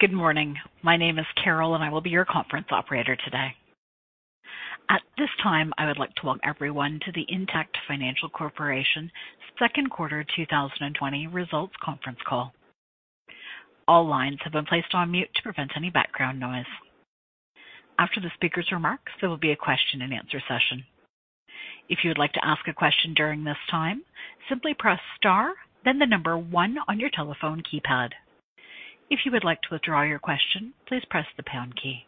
Good morning. My name is Carol, and I will be your conference operator today. At this time, I would like to welcome everyone to the Intact Financial Corporation Second Quarter 2020 Results Conference Call. All lines have been placed on mute to prevent any background noise. After the speaker's remarks, there will be a question-and-answer session. If you would like to ask a question during this time, simply press star, then the number one on your telephone keypad. If you would like to withdraw your question, please press the pound key.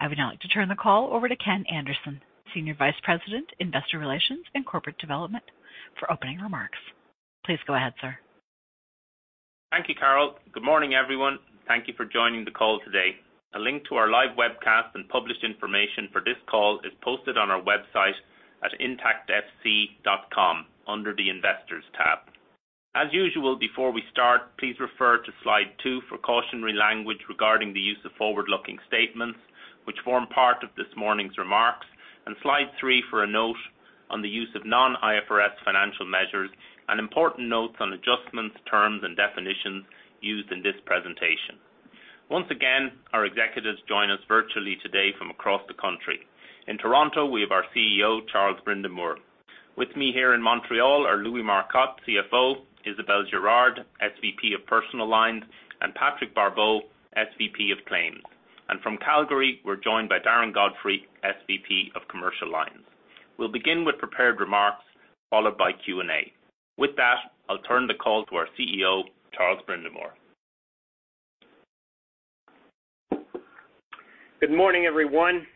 I would now like to turn the call over to Ken Anderson, Senior Vice President, Investor Relations and Corporate Development, for opening remarks. Please go ahead, sir. Thank you, Carol. Good morning, everyone. Thank you for joining the call today. A link to our live webcast and published information for this call is posted on our website at intactfc.com under the Investors tab. As usual, before we start, please refer to slide two for cautionary language regarding the use of forward-looking statements, which form part of this morning's remarks, and slide three for a note on the use of non-IFRS financial measures and important notes on adjustments, terms, and definitions used in this presentation. Once again, our executives join us virtually today from across the country. In Toronto, we have our CEO, Charles Brindamour. With me here in Montreal are Louis Marcotte, CFO, Isabelle Girard, SVP of Personal Lines, and Patrick Barbeau, SVP of Claims. And from Calgary, we're joined by Darren Godfrey, SVP of Commercial Lines. We'll begin with prepared remarks, followed by Q&A. With that, I'll turn the call to our CEO, Charles Brindamour. Good morning, everyone.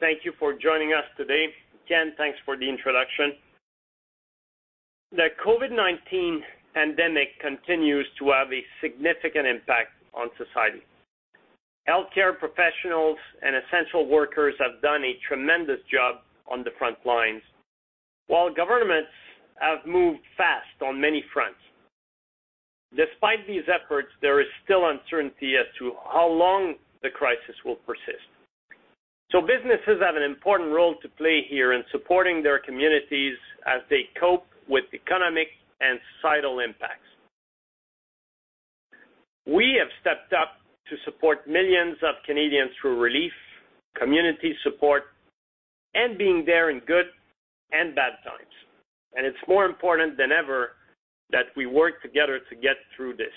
Thank you for joining us today. Ken, thanks for the introduction. The COVID-19 pandemic continues to have a significant impact on society. Healthcare professionals and essential workers have done a tremendous job on the front lines, while governments have moved fast on many fronts. Despite these efforts, there is still uncertainty as to how long the crisis will persist. So businesses have an important role to play here in supporting their communities as they cope with economic and societal impacts. We have stepped up to support millions of Canadians through relief, community support, and being there in good and bad times, and it's more important than ever that we work together to get through this.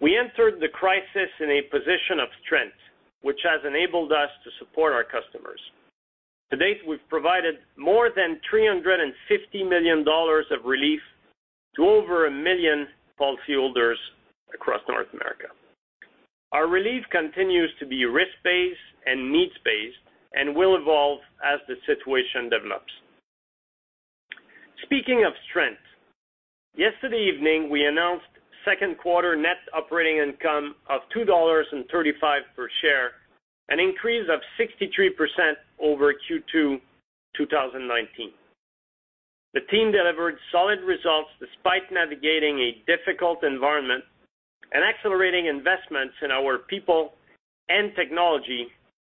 We entered the crisis in a position of strength, which has enabled us to support our customers. To date, we've provided more than CAD 350 million of relief to over 1 million policyholders across North America. Our relief continues to be risk-based and needs-based and will evolve as the situation develops. Speaking of strength, yesterday evening, we announced second quarter net operating income of 2.35 dollars per share, an increase of 63% over Q2, 2019. The team delivered solid results despite navigating a difficult environment and accelerating investments in our people and technology,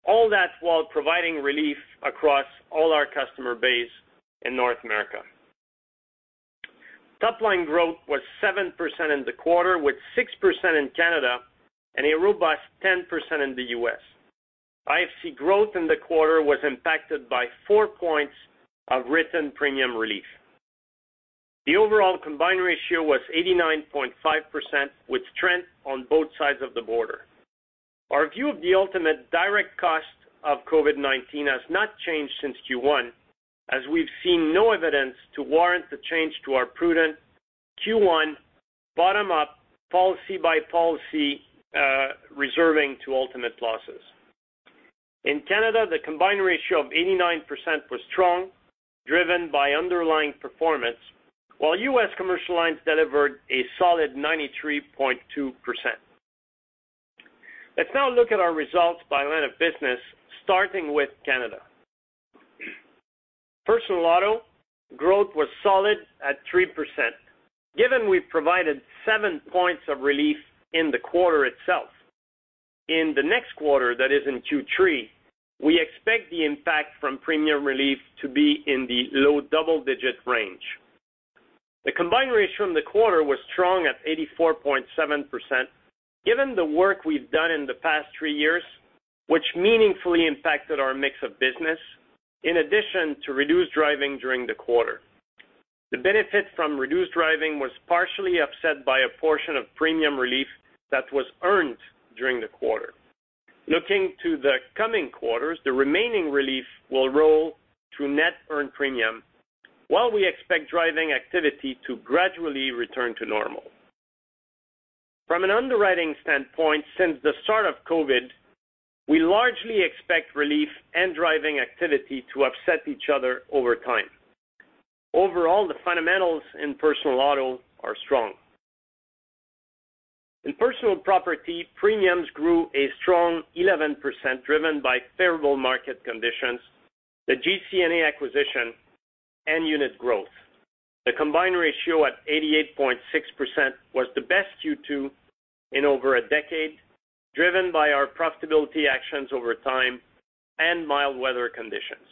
all that while providing relief across all our customer base in North America. Top line growth was 7% in the quarter, with 6% in Canada and a robust 10% in the U.S. IFC growth in the quarter was impacted by four points of written premium relief. The overall combined ratio was 89.5%, with strength on both sides of the border. Our view of the ultimate direct cost of COVID-19 has not changed since Q1, as we've seen no evidence to warrant the change to our prudent Q1 bottom-up, policy-by-policy reserving to ultimate losses. In Canada, the combined ratio of 89% was strong, driven by underlying performance, while U.S. commercial lines delivered a solid 93.2%. Let's now look at our results by line of business, starting with Canada. Personal auto growth was solid at 3%. Given we provided seven points of relief in the quarter itself, in the next quarter, that is in Q3, we expect the impact from premium relief to be in the low double-digit range. The combined ratio in the quarter was strong at 84.7%, given the work we've done in the past three years, which meaningfully impacted our mix of business, in addition to reduced driving during the quarter. The benefit from reduced driving was partially offset by a portion of premium relief that was earned during the quarter. Looking to the coming quarters, the remaining relief will roll through net earned premium, while we expect driving activity to gradually return to normal. From an underwriting standpoint, since the start of COVID, we largely expect relief and driving activity to offset each other over time. Overall, the fundamentals in personal auto are strong. In personal property, premiums grew a strong 11%, driven by favorable market conditions, the GCNA acquisition, and unit growth. The combined ratio at 88.6% was the best Q2 in over a decade, driven by our profitability actions over time and mild weather conditions....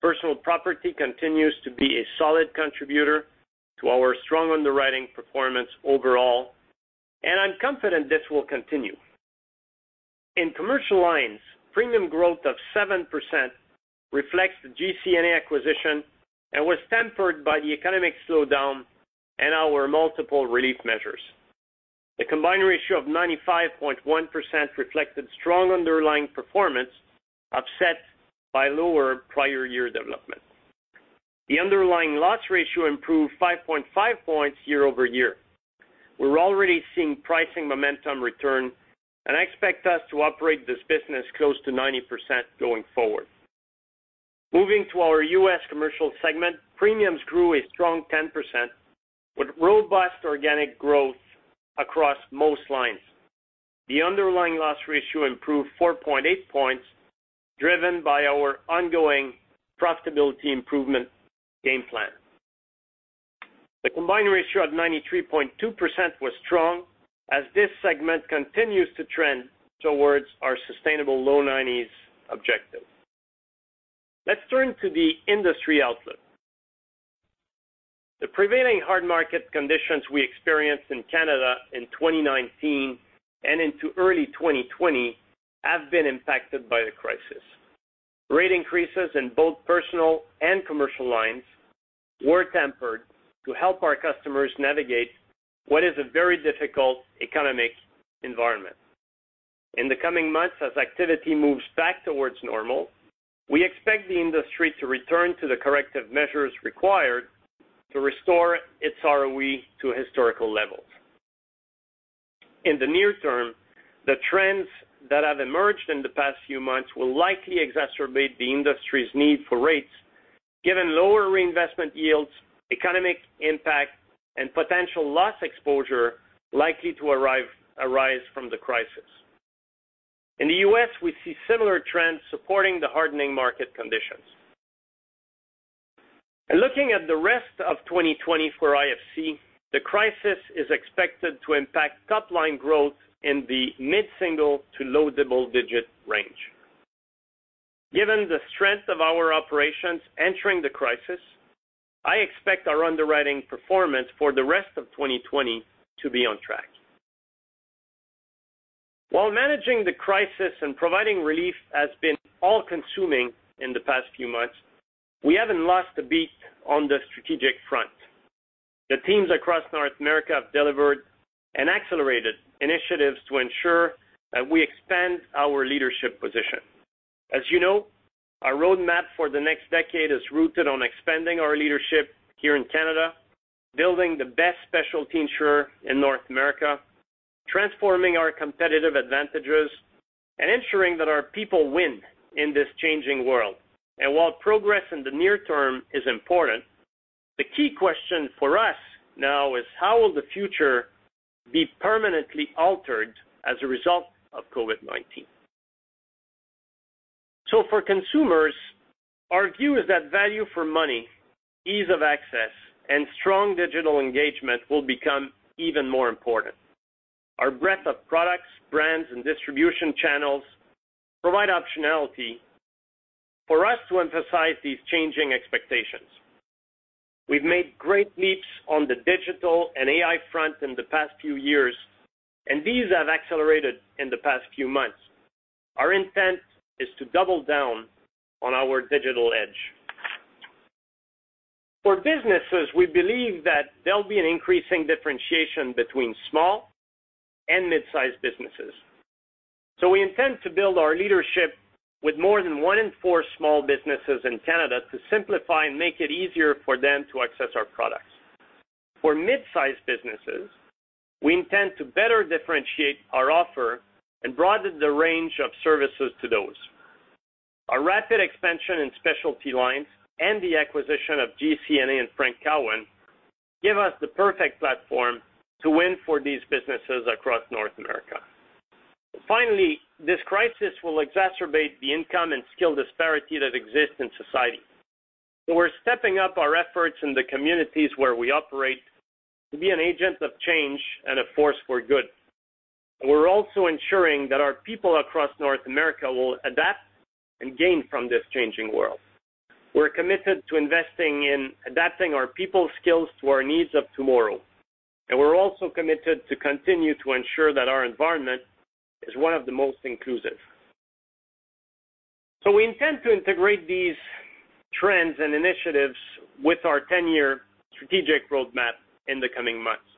Personal Property continues to be a solid contributor to our strong underwriting performance overall, and I'm confident this will continue. In Commercial Lines, premium growth of 7% reflects the GCNA acquisition and was tempered by the economic slowdown and our multiple Relief Measures. The combined ratio of 95.1% reflected strong underlying performance, offset by lower Prior Year Development. The underlying loss ratio improved 5.5 points year-over-year. We're already seeing pricing momentum return, and I expect us to operate this business close to 90% going forward. Moving to our U.S. Commercial segment, premiums grew a strong 10%, with robust organic growth across most lines. The underlying loss ratio improved 4.8 points, driven by our ongoing profitability improvement game plan. The combined ratio of 93.2% was strong, as this segment continues to trend towards our sustainable low 90s objective. Let's turn to the industry outlook. The prevailing hard market conditions we experienced in Canada in 2019 and into early 2020 have been impacted by the crisis. Rate increases in both personal and commercial lines were tempered to help our customers navigate what is a very difficult economic environment. In the coming months, as activity moves back towards normal, we expect the industry to return to the corrective measures required to restore its ROE to historical levels. In the near term, the trends that have emerged in the past few months will likely exacerbate the industry's need for rates, given lower reinvestment yields, economic impact, and potential loss exposure likely to arise from the crisis. In the U.S., we see similar trends supporting the hardening market conditions. Looking at the rest of 2020 for IFC, the crisis is expected to impact top-line growth in the mid-single to low-double-digit range. Given the strength of our operations entering the crisis, I expect our underwriting performance for the rest of 2020 to be on track. While managing the crisis and providing relief has been all-consuming in the past few months, we haven't lost a beat on the strategic front. The teams across North America have delivered and accelerated initiatives to ensure that we expand our leadership position. As you know, our roadmap for the next decade is rooted on expanding our leadership here in Canada, building the best specialty insurer in North America, transforming our competitive advantages, and ensuring that our people win in this changing world. While progress in the near term is important, the key question for us now is how will the future be permanently altered as a result of COVID-19? For consumers, our view is that value for money, ease of access, and strong digital engagement will become even more important. Our breadth of products, brands, and distribution channels provide optionality for us to emphasize these changing expectations. We've made great leaps on the digital and AI front in the past few years, and these have accelerated in the past few months. Our intent is to double down on our digital edge. For businesses, we believe that there'll be an increasing differentiation between small and mid-sized businesses. So we intend to build our leadership with more than one in four small businesses in Canada to simplify and make it easier for them to access our products. For mid-sized businesses, we intend to better differentiate our offer and broaden the range of services to those. Our rapid expansion in specialty lines and the acquisition of GCNA and Frank Cowan give us the perfect platform to win for these businesses across North America. Finally, this crisis will exacerbate the income and skill disparity that exists in society. We're stepping up our efforts in the communities where we operate to be an agent of change and a force for good. We're also ensuring that our people across North America will adapt and gain from this changing world. We're committed to investing in adapting our people skills to our needs of tomorrow, and we're also committed to continue to ensure that our environment is one of the most inclusive. So we intend to integrate these trends and initiatives with our 10-year strategic roadmap in the coming months.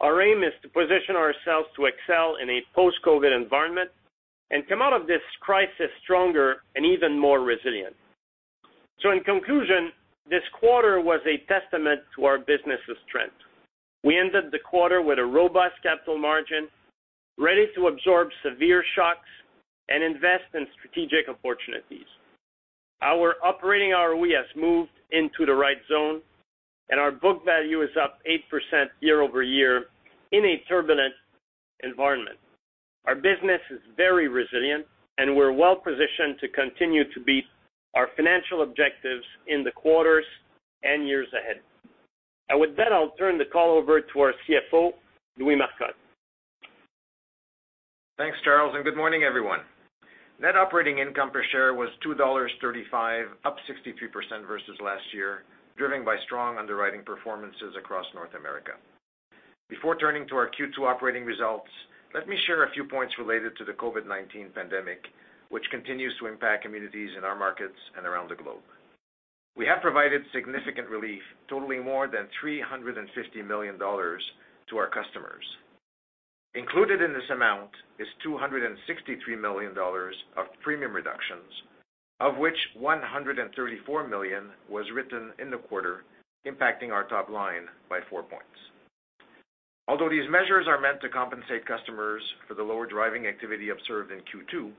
Our aim is to position ourselves to excel in a post-COVID environment and come out of this crisis stronger and even more resilient. So in conclusion, this quarter was a testament to our business's strength. We ended the quarter with a robust capital margin, ready to absorb severe shocks and invest in strategic opportunities. Our operating ROE has moved into the right zone, and our book value is up 8% year-over-year in a turbulent environment. Our business is very resilient, and we're well positioned to continue to beat our financial objectives in the quarters and years ahead. With that, I'll turn the call over to our CFO, Louis Marcotte.... Thanks, Charles, and good morning, everyone. Net operating income per share was 2.35 dollars, up 63% versus last year, driven by strong underwriting performances across North America. Before turning to our Q2 operating results, let me share a few points related to the COVID-19 pandemic, which continues to impact communities in our markets and around the globe. We have provided significant relief, totaling more than 350 million dollars to our customers. Included in this amount is 263 million dollars of premium reductions, of which 134 million was written in the quarter, impacting our top line by four points. Although these measures are meant to compensate customers for the lower driving activity observed in Q2,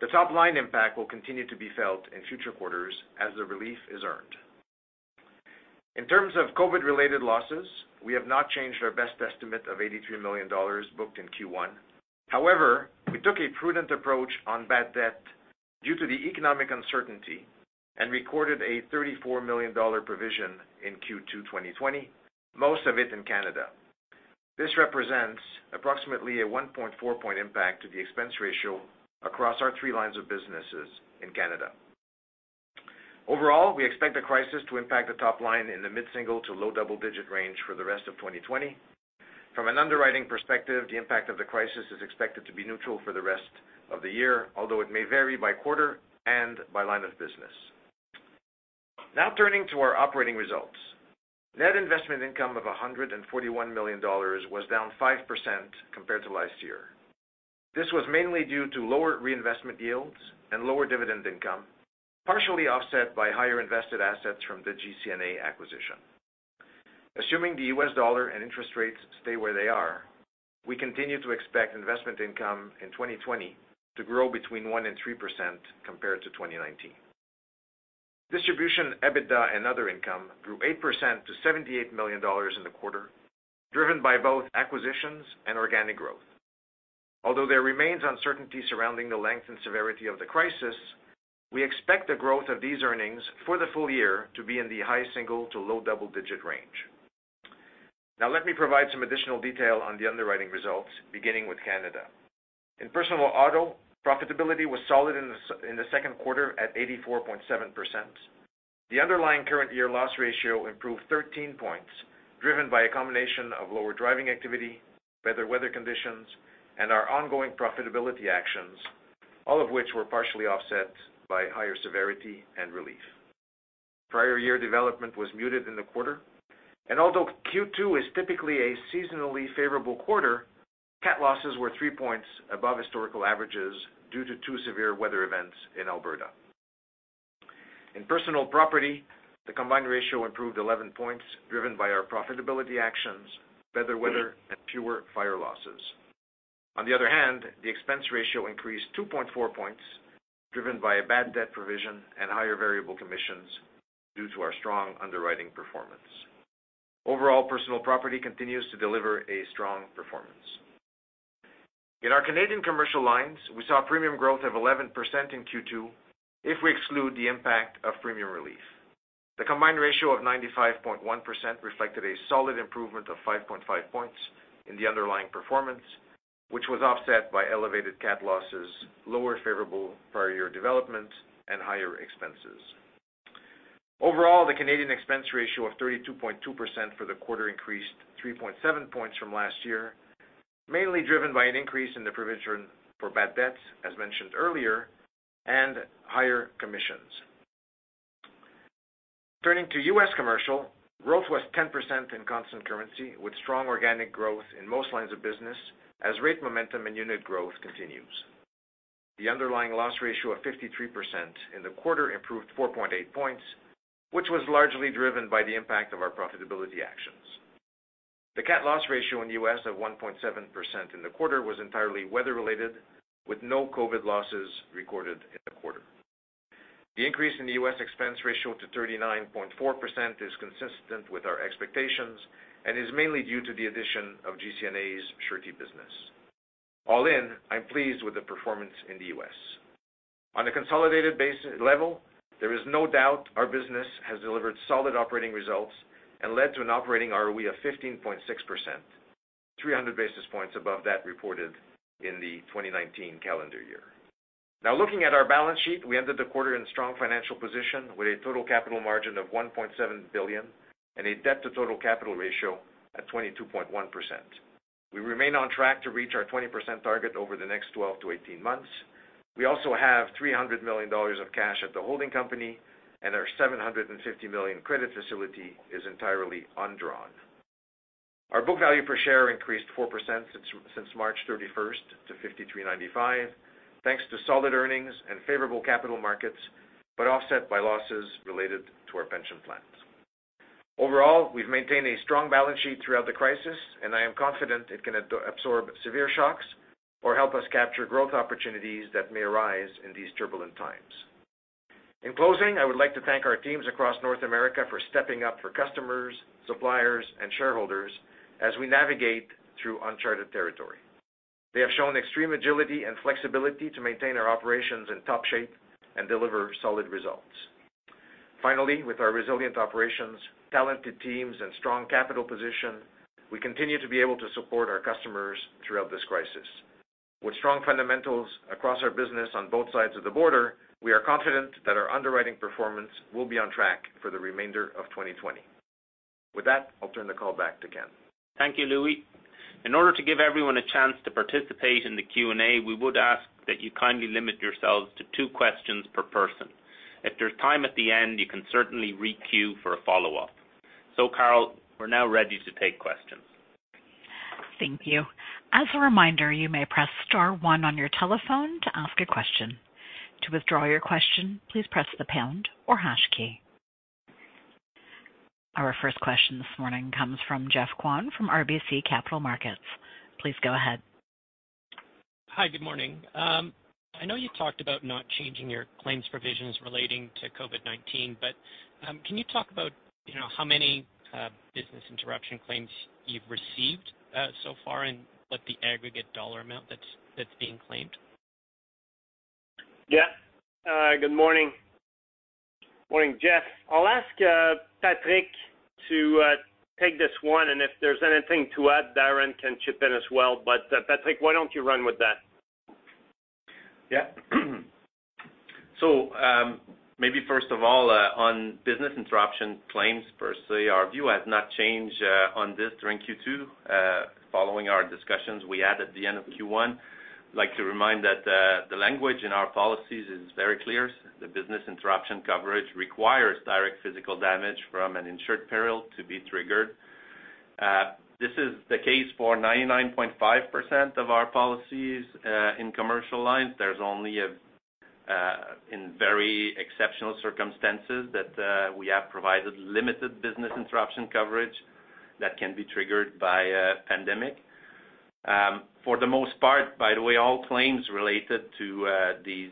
the top-line impact will continue to be felt in future quarters as the relief is earned. In terms of COVID-related losses, we have not changed our best estimate of 83 million dollars booked in Q1. However, we took a prudent approach on bad debt due to the economic uncertainty and recorded a 34 million dollar provision in Q2 2020, most of it in Canada. This represents approximately a 1.4-point impact to the expense ratio across our three lines of businesses in Canada. Overall, we expect the crisis to impact the top line in the mid-single to low-double-digit range for the rest of 2020. From an underwriting perspective, the impact of the crisis is expected to be neutral for the rest of the year, although it may vary by quarter and by line of business. Now, turning to our operating results. Net investment income of 141 million dollars was down 5% compared to last year. This was mainly due to lower reinvestment yields and lower dividend income, partially offset by higher invested assets from the GCNA acquisition. Assuming the U.S. dollar and interest rates stay where they are, we continue to expect investment income in 2020 to grow between 1%-3% compared to 2019. Distribution, EBITDA, and other income grew 8% to 78 million dollars in the quarter, driven by both acquisitions and organic growth. Although there remains uncertainty surrounding the length and severity of the crisis, we expect the growth of these earnings for the full year to be in the high single to low-double-digit range. Now, let me provide some additional detail on the underwriting results, beginning with Canada. In personal auto, profitability was solid in the second quarter at 84.7%. The underlying current year loss ratio improved 13 points, driven by a combination of lower driving activity, better weather conditions, and our ongoing profitability actions, all of which were partially offset by higher severity and relief. Prior year development was muted in the quarter, and although Q2 is typically a seasonally favorable quarter, cat losses were three points above historical averages due to two severe weather events in Alberta. In personal property, the combined ratio improved 11 points, driven by our profitability actions, better weather, and fewer fire losses. On the other hand, the expense ratio increased 2.4 points, driven by a bad debt provision and higher variable commissions due to our strong underwriting performance. Overall, personal property continues to deliver a strong performance. In our Canadian commercial lines, we saw premium growth of 11% in Q2 if we exclude the impact of premium relief. The combined ratio of 95.1% reflected a solid improvement of 5.5 points in the underlying performance, which was offset by elevated cat losses, lower favorable prior year development, and higher expenses. Overall, the Canadian expense ratio of 32.2% for the quarter increased 3.7 points from last year, mainly driven by an increase in the provision for bad debts, as mentioned earlier, and higher commissions. Turning to U.S. commercial, growth was 10% in constant currency, with strong organic growth in most lines of business as rate momentum and unit growth continues. The underlying loss ratio of 53% in the quarter improved 4.8 points, which was largely driven by the impact of our profitability actions. The cat loss ratio in the U.S. of 1.7% in the quarter was entirely weather-related, with no COVID losses recorded in the quarter. The increase in the U.S. expense ratio to 39.4% is consistent with our expectations and is mainly due to the addition of GCNA's surety business. All in, I'm pleased with the performance in the U.S. On a consolidated basis level, there is no doubt our business has delivered solid operating results and led to an operating ROE of 15.6%, 300 basis points above that reported in the 2019 calendar year. Now, looking at our balance sheet, we ended the quarter in strong financial position with a total capital margin of 1.7 billion and a debt to total capital ratio at 22.1%. We remain on track to reach our 20% target over the next 12-18 months. We also have 300 million dollars of cash at the holding company, and our 750 million credit facility is entirely undrawn. Our book value per share increased 4% since March 31 to 53.95, thanks to solid earnings and favorable capital markets, but offset by losses related to our pension plans. Overall, we've maintained a strong balance sheet throughout the crisis, and I am confident it can absorb severe shocks or help us capture growth opportunities that may arise in these turbulent times. In closing, I would like to thank our teams across North America for stepping up for customers, suppliers, and shareholders as we navigate through uncharted territory. They have shown extreme agility and flexibility to maintain our operations in top shape and deliver solid results. ...Finally, with our resilient operations, talented teams, and strong capital position, we continue to be able to support our customers throughout this crisis. With strong fundamentals across our business on both sides of the border, we are confident that our underwriting performance will be on track for the remainder of 2020. With that, I'll turn the call back to Ken. Thank you, Louis. In order to give everyone a chance to participate in the Q&A, we would ask that you kindly limit yourselves to two questions per person. If there's time at the end, you can certainly re-queue for a follow-up. Carol, we're now ready to take questions. Thank you. As a reminder, you may press star one on your telephone to ask a question. To withdraw your question, please press the pound or hash key. Our first question this morning comes from Geoff Kwan from RBC Capital Markets. Please go ahead. Hi, good morning. I know you talked about not changing your claims provisions relating to COVID-19, but can you talk about, you know, how many business interruption claims you've received so far, and what the aggregate dollar amount that's being claimed? Yeah. Good morning. Morning, Geoff. I'll ask Patrick to take this one, and if there's anything to add, Darren can chip in as well. But, Patrick, why don't you run with that? Yeah. So, maybe first of all, on business interruption claims, firstly, our view has not changed on this during Q2. Following our discussions, we had at the end of Q1, I'd like to remind that the language in our policies is very clear. The business interruption coverage requires direct physical damage from an insured peril to be triggered. This is the case for 99.5% of our policies in commercial lines. There's only in very exceptional circumstances that we have provided limited business interruption coverage that can be triggered by a pandemic. For the most part, by the way, all claims related to these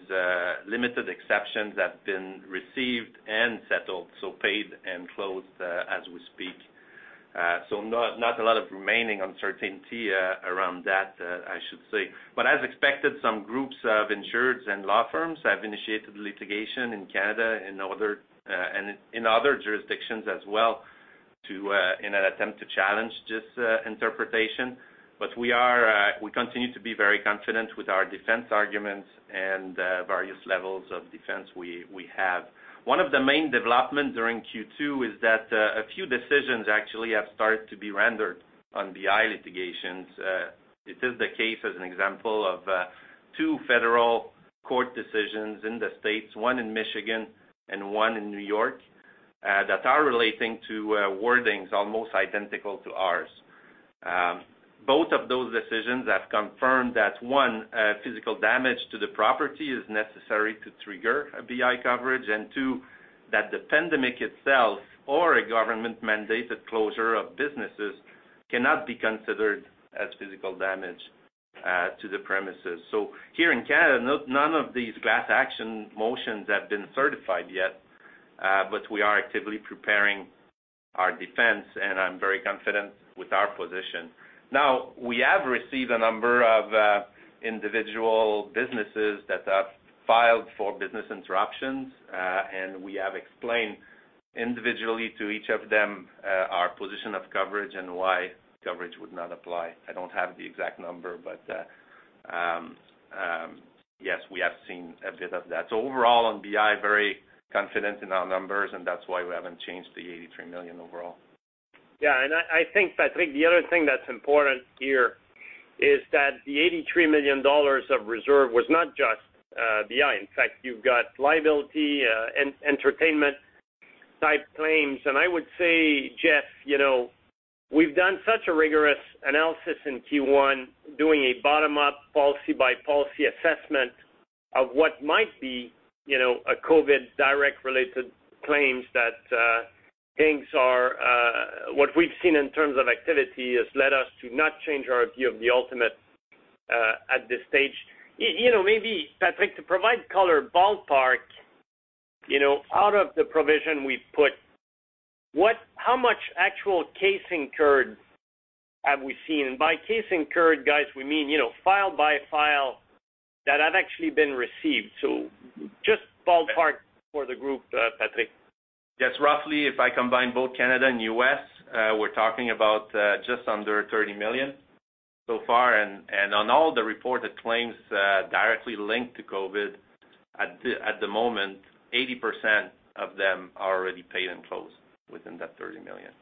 limited exceptions have been received and settled, so paid and closed, as we speak. So not, not a lot of remaining uncertainty around that, I should say. But as expected, some groups of insureds and law firms have initiated litigation in Canada and other, and in other jurisdictions as well, to, in an attempt to challenge this interpretation. But we are, we continue to be very confident with our defense arguments and, various levels of defense we, we have. One of the main developments during Q2 is that, a few decisions actually have started to be rendered on BI litigations. This is the case, as an example, of, two federal court decisions in the States, one in Michigan and one in New York, that are relating to, wordings almost identical to ours. Both of those decisions have confirmed that, one, physical damage to the property is necessary to trigger a BI coverage, and two, that the pandemic itself or a government-mandated closure of businesses cannot be considered as physical damage to the premises. So here in Canada, none of these class action motions have been certified yet, but we are actively preparing our defense, and I'm very confident with our position. Now, we have received a number of individual businesses that have filed for business interruptions, and we have explained individually to each of them our position of coverage and why coverage would not apply. I don't have the exact number, but yes, we have seen a bit of that. So overall, on BI, very confident in our numbers, and that's why we haven't changed the 83 million overall. Yeah, and I, I think, Patrick, the other thing that's important here is that the 83 million dollars of reserve was not just, BI. In fact, you've got liability, and entertainment type claims. And I would say, Geoff, you know, we've done such a rigorous analysis in Q1, doing a bottom-up, policy-by-policy assessment of what might be, you know, a COVID direct related claims that, things are... What we've seen in terms of activity has led us to not change our view of the ultimate, at this stage. You know, maybe, Patrick, to provide color ballpark, you know, out of the provision we put, what, how much actual case incurred have we seen? And by case incurred, guys, we mean, you know, file by file that have actually been received. So just ballpark for the group, Patrick. Yes, roughly, if I combine both Canada and U.S., we're talking about just under 30 million so far. And on all the reported claims directly linked to COVID, at the moment, 80% of them are already paid and closed within that 30 million.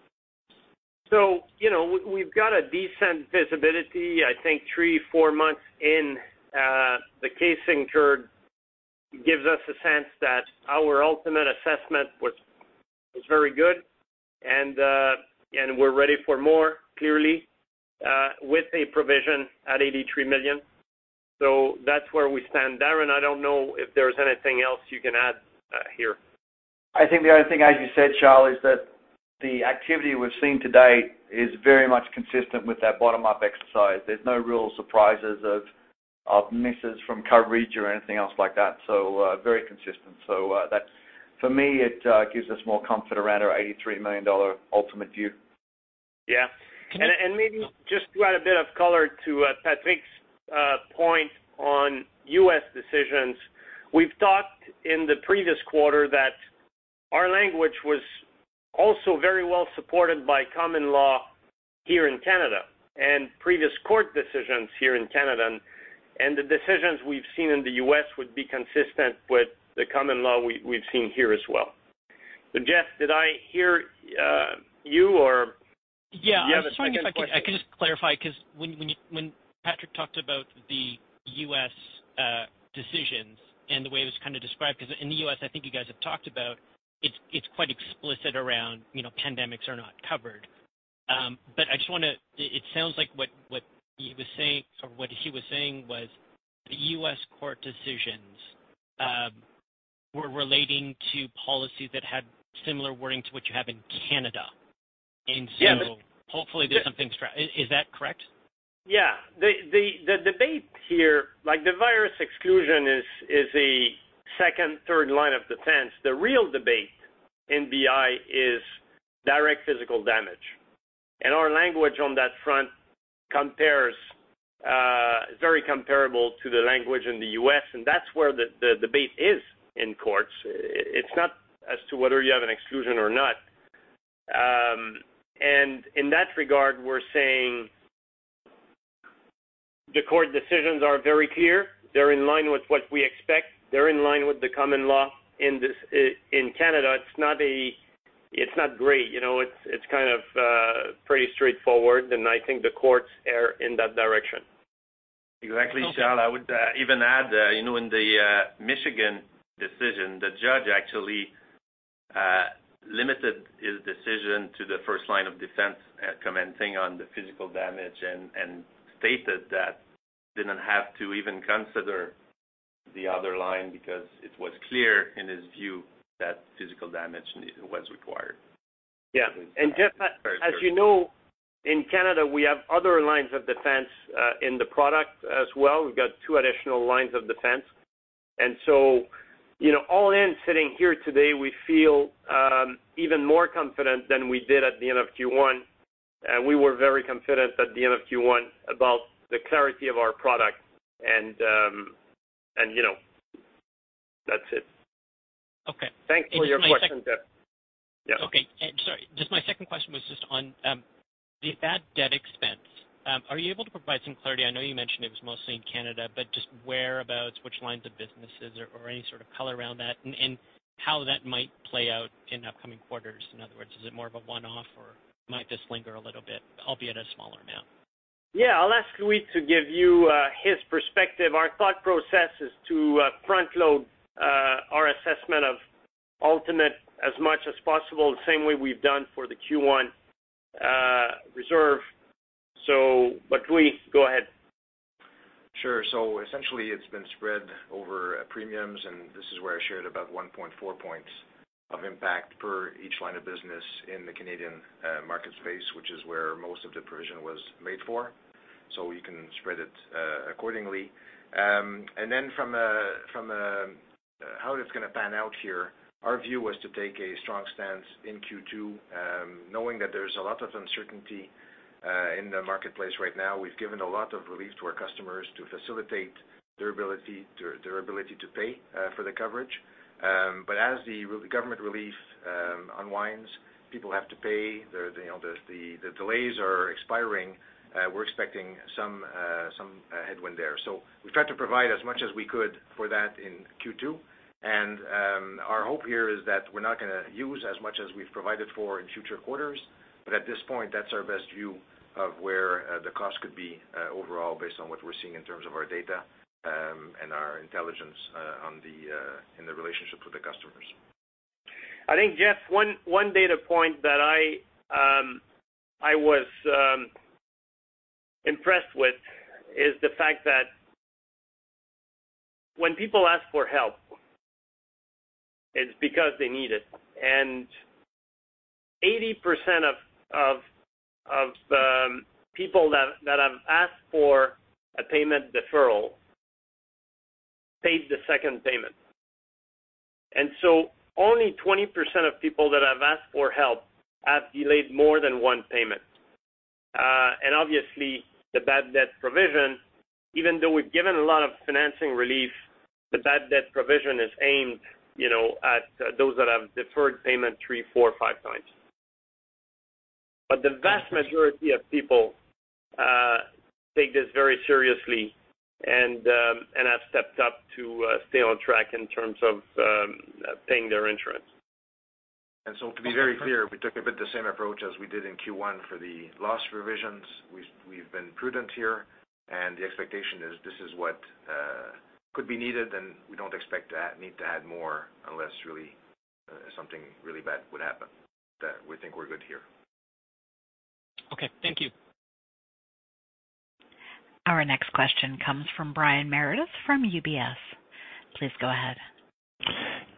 So, you know, we've got a decent visibility. I think three, four months in, the Case Incurred gives us a sense that our ultimate assessment was, was very good, and, and we're ready for more, clearly, with a provision at 83 million. So that's where we stand. Darren, I don't know if there's anything else you can add, here. I think the only thing, as you said, Charles, is that the activity we've seen to date is very much consistent with that bottom-up exercise. There's no real surprises of misses from coverage or anything else like that, so, very consistent. So, that's, for me, gives us more comfort around our 83 million dollar ultimate view.... Yeah. And maybe just to add a bit of color to Patrick's point on U.S. decisions, we've talked in the previous quarter that our language was also very well supported by common law here in Canada, and previous court decisions here in Canada, and the decisions we've seen in the U.S. would be consistent with the common law we've seen here as well. So Geoff, did I hear you or- Yeah, You have a second question? I was wondering if I could, I could just clarify, because when, when you, when Patrick talked about the U.S., decisions and the way it was kind of described, because in the U.S., I think you guys have talked about, it's, it's quite explicit around, you know, pandemics are not covered. But I just want to, it, it sounds like what, what he was saying or what he was saying was the U.S. court decisions, were relating to policies that had similar wording to what you have in Canada. And so- Yeah, but- Hopefully, there's something. Is that correct? Yeah. The debate here, like, the virus exclusion is a second, third line of defense. The real debate in BI is direct physical damage, and our language on that front compares very comparable to the language in the U.S., and that's where the debate is in courts. It's not as to whether you have an exclusion or not. And in that regard, we're saying the court decisions are very clear. They're in line with what we expect. They're in line with the common law in this in Canada. It's not a... It's not gray, you know, it's kind of pretty straightforward, and I think the courts err in that direction. Exactly, Charles. I would even add, you know, in the Michigan decision, the judge actually limited his decision to the first line of defense, commenting on the physical damage and stated that he didn't have to even consider the other line because it was clear in his view that physical damage was required. Yeah. Geoff, as you know, in Canada, we have other lines of defense in the product as well. We've got two additional lines of defense. So, you know, all in, sitting here today, we feel even more confident than we did at the end of Q1, and we were very confident at the end of Q1 about the clarity of our product, and you know, that's it. Okay. Thanks for your question, Geoff. Okay. Sorry, just my second question was just on the bad debt expense. Are you able to provide some clarity? I know you mentioned it was mostly in Canada, but just whereabouts, which lines of businesses or any sort of color around that, and how that might play out in upcoming quarters. In other words, is it more of a one-off or might this linger a little bit, albeit a smaller amount? Yeah, I'll ask Louis to give you his perspective. Our thought process is to front load our assessment of ultimate as much as possible, the same way we've done for the Q1 reserve. So but Louis, go ahead. Sure. So essentially, it's been spread over premiums, and this is where I shared about 1.4 points of impact per each line of business in the Canadian market space, which is where most of the provision was made for. So we can spread it accordingly. And then from how it's going to pan out here, our view was to take a strong stance in Q2, knowing that there's a lot of uncertainty in the marketplace right now. We've given a lot of relief to our customers to facilitate their ability to pay for the coverage. But as the government relief unwinds, people have to pay, you know, the delays are expiring, we're expecting some headwind there. So we tried to provide as much as we could for that in Q2. Our hope here is that we're not going to use as much as we've provided for in future quarters, but at this point, that's our best view of where the cost could be overall, based on what we're seeing in terms of our data and our intelligence on the in the relationship with the customers. I think, Geoff, one data point that I was impressed with is the fact that when people ask for help, it's because they need it. And 80% of people that have asked for a payment deferral paid the second payment. And so only 20% of people that have asked for help have delayed more than one payment. And obviously, the bad debt provision, even though we've given a lot of financing relief, the bad debt provision is aimed, you know, at those that have deferred payment three, four, five times. But the vast majority of people take this very seriously and and have stepped up to stay on track in terms of paying their insurance. So to be very clear, we took a bit the same approach as we did in Q1 for the loss revisions. We've been prudent here, and the expectation is this is what could be needed, and we don't expect to need to add more unless really something really bad would happen. But we think we're good here. Okay, thank you. Our next question comes from Brian Meredith, from UBS. Please go ahead.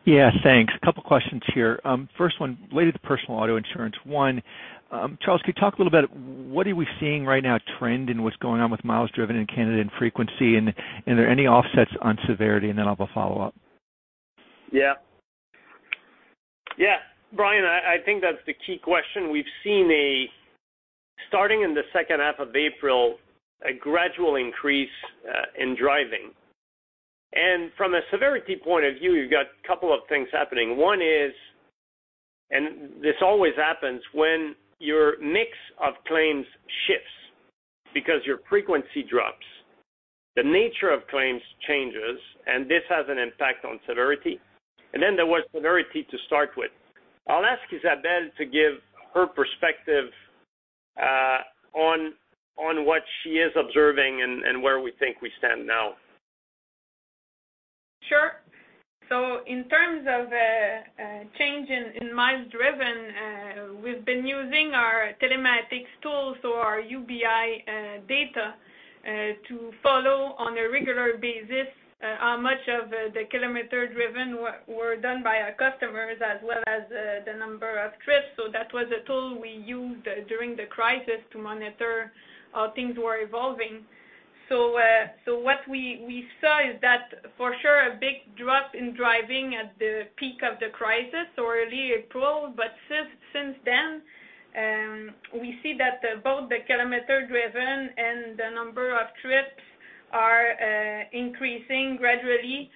Yeah, thanks. A couple of questions here. First one related to personal auto insurance. One, Charles, could you talk a little bit, what are we seeing right now trend and what's going on with miles driven in Canada and frequency, and are there any offsets on severity? And then I'll have a follow-up. Yeah... Yeah, Brian, I think that's the key question. We've seen, starting in the second half of April, a gradual increase in driving. And from a severity point of view, you've got a couple of things happening. One is, and this always happens, when your mix of claims shifts because your frequency drops, the nature of claims changes, and this has an impact on severity. And then there was severity to start with. I'll ask Isabelle to give her perspective on what she is observing and where we think we stand now. Sure. In terms of a change in miles driven, we've been using our telematics tools or our UBI data to follow on a regular basis how much of the kilometer driven were done by our customers, as well as the number of trips. That was a tool we used during the crisis to monitor how things were evolving. What we saw is that, for sure, a big drop in driving at the peak of the crisis or early April, but since then, we see that both the kilometer driven and the number of trips are increasing gradually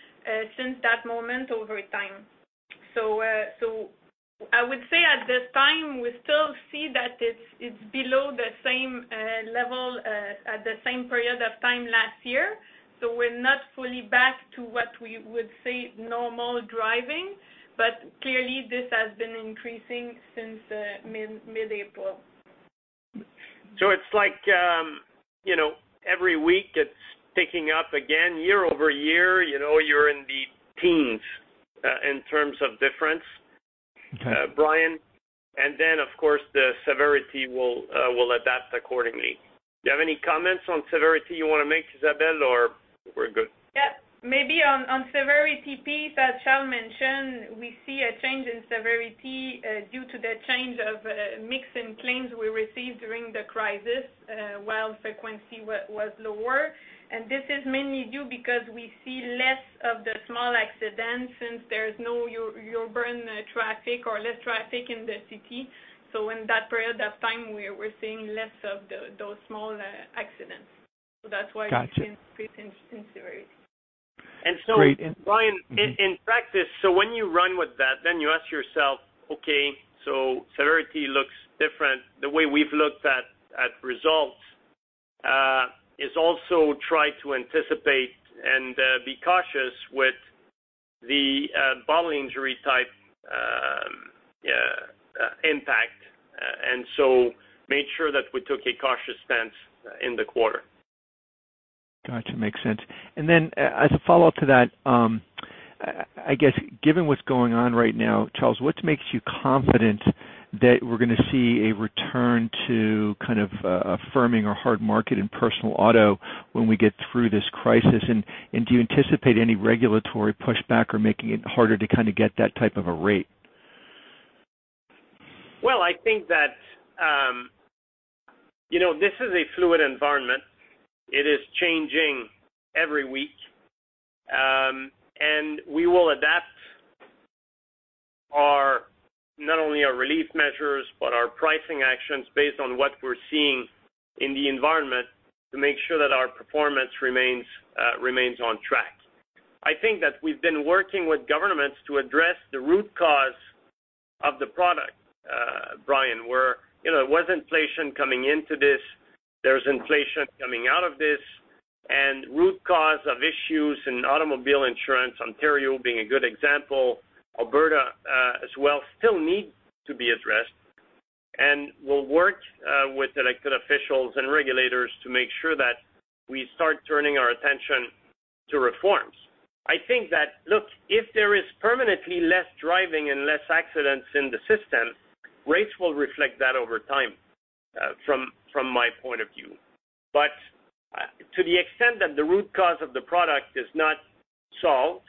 since that moment over time. I would say at this time, we still see that it's below the same level at the same period of time last year. So we're not fully back to what we would say, normal driving, but clearly, this has been increasing since mid-April. So it's like, you know, every week it's ticking up again. Year-over-year, you know, you're in the teens, in terms of difference, Brian. And then, of course, the severity will adapt accordingly. Do you have any comments on severity you want to make, Isabelle, or we're good? Yeah. Maybe on severity piece, as Charles mentioned, we see a change in severity due to the change of mix in claims we received during the crisis, while frequency was lower. And this is mainly due because we see less of the small accidents since there's no urban traffic or less traffic in the city. So in that period of time, we're seeing less of those small accidents. So that's why- Got you. We've seen an increase in severity. And so, Brian, in practice, so when you run with that, then you ask yourself, "Okay, so severity looks different." The way we've looked at results is also try to anticipate and be cautious with the body injury type impact, and so made sure that we took a cautious stance in the quarter. Got you. Makes sense. And then as a follow-up to that, I guess, given what's going on right now, Charles, what makes you confident that we're going to see a return to kind of affirming our hard market and personal auto when we get through this crisis? And do you anticipate any regulatory pushback or making it harder to kind of get that type of a rate? Well, I think that, you know, this is a fluid environment. It is changing every week, and we will adapt our, not only our relief measures, but our pricing actions based on what we're seeing in the environment to make sure that our performance remains, remains on track. I think that we've been working with governments to address the root cause of the product, Brian, where, you know, there was inflation coming into this, there's inflation coming out of this, and root cause of issues in automobile insurance, Ontario being a good example, Alberta, as well, still need to be addressed. And we'll work, with elected officials and regulators to make sure that we start turning our attention to reforms. I think that, look, if there is permanently less driving and less accidents in the system, rates will reflect that over time, from my point of view. But, to the extent that the root cause of the product is not solved,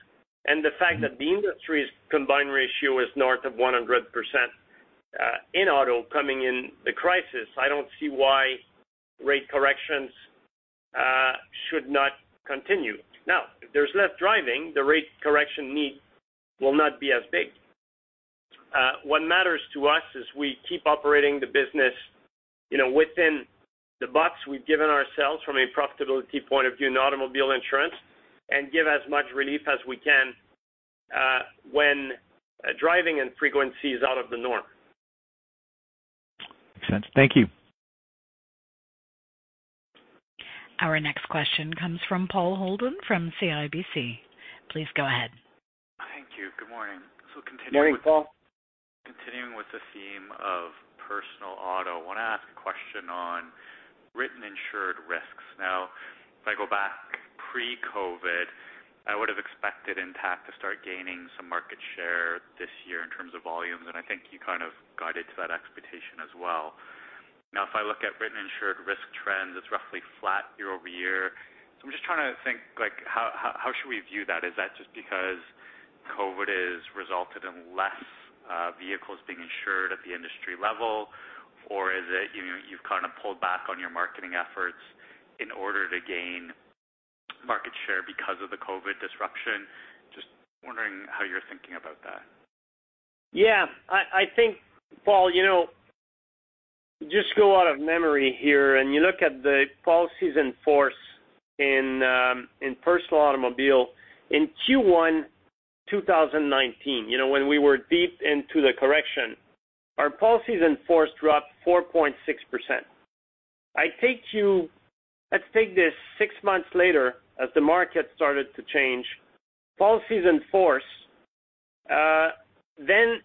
and the fact that the industry's combined ratio is north of 100%, in auto coming in the crisis, I don't see why rate corrections should not continue. Now, if there's less driving, the rate correction need will not be as big. What matters to us is we keep operating the business, you know, within the box we've given ourselves from a profitability point of view in automobile insurance and give as much relief as we can, when driving and frequency is out of the norm. Makes sense. Thank you. Our next question comes from Paul Holden from CIBC. Please go ahead. Thank you. Good morning. So continuing with- Good morning, Paul. Continuing with the theme of personal auto, I want to ask a question on written insured risks. Now, if I go back pre-COVID, I would have expected Intact to start gaining some market share this year in terms of volumes, and I think you kind of guided to that expectation as well. Now, if I look at written insured risk trends, it's roughly flat year-over-year. So I'm just trying to think, like, how should we view that? Is that just because COVID has resulted in less vehicles being insured at the industry level? Or is it, you know, you've kind of pulled back on your marketing efforts in order to gain market share because of the COVID disruption. Just wondering how you're thinking about that? Yeah, I think, Paul, you know, just go out of memory here, and you look at the policies in force in personal automobile. In Q1 2019, you know, when we were deep into the correction, our policies in force dropped 4.6%. Let's take this six months later, as the market started to change, policies in force then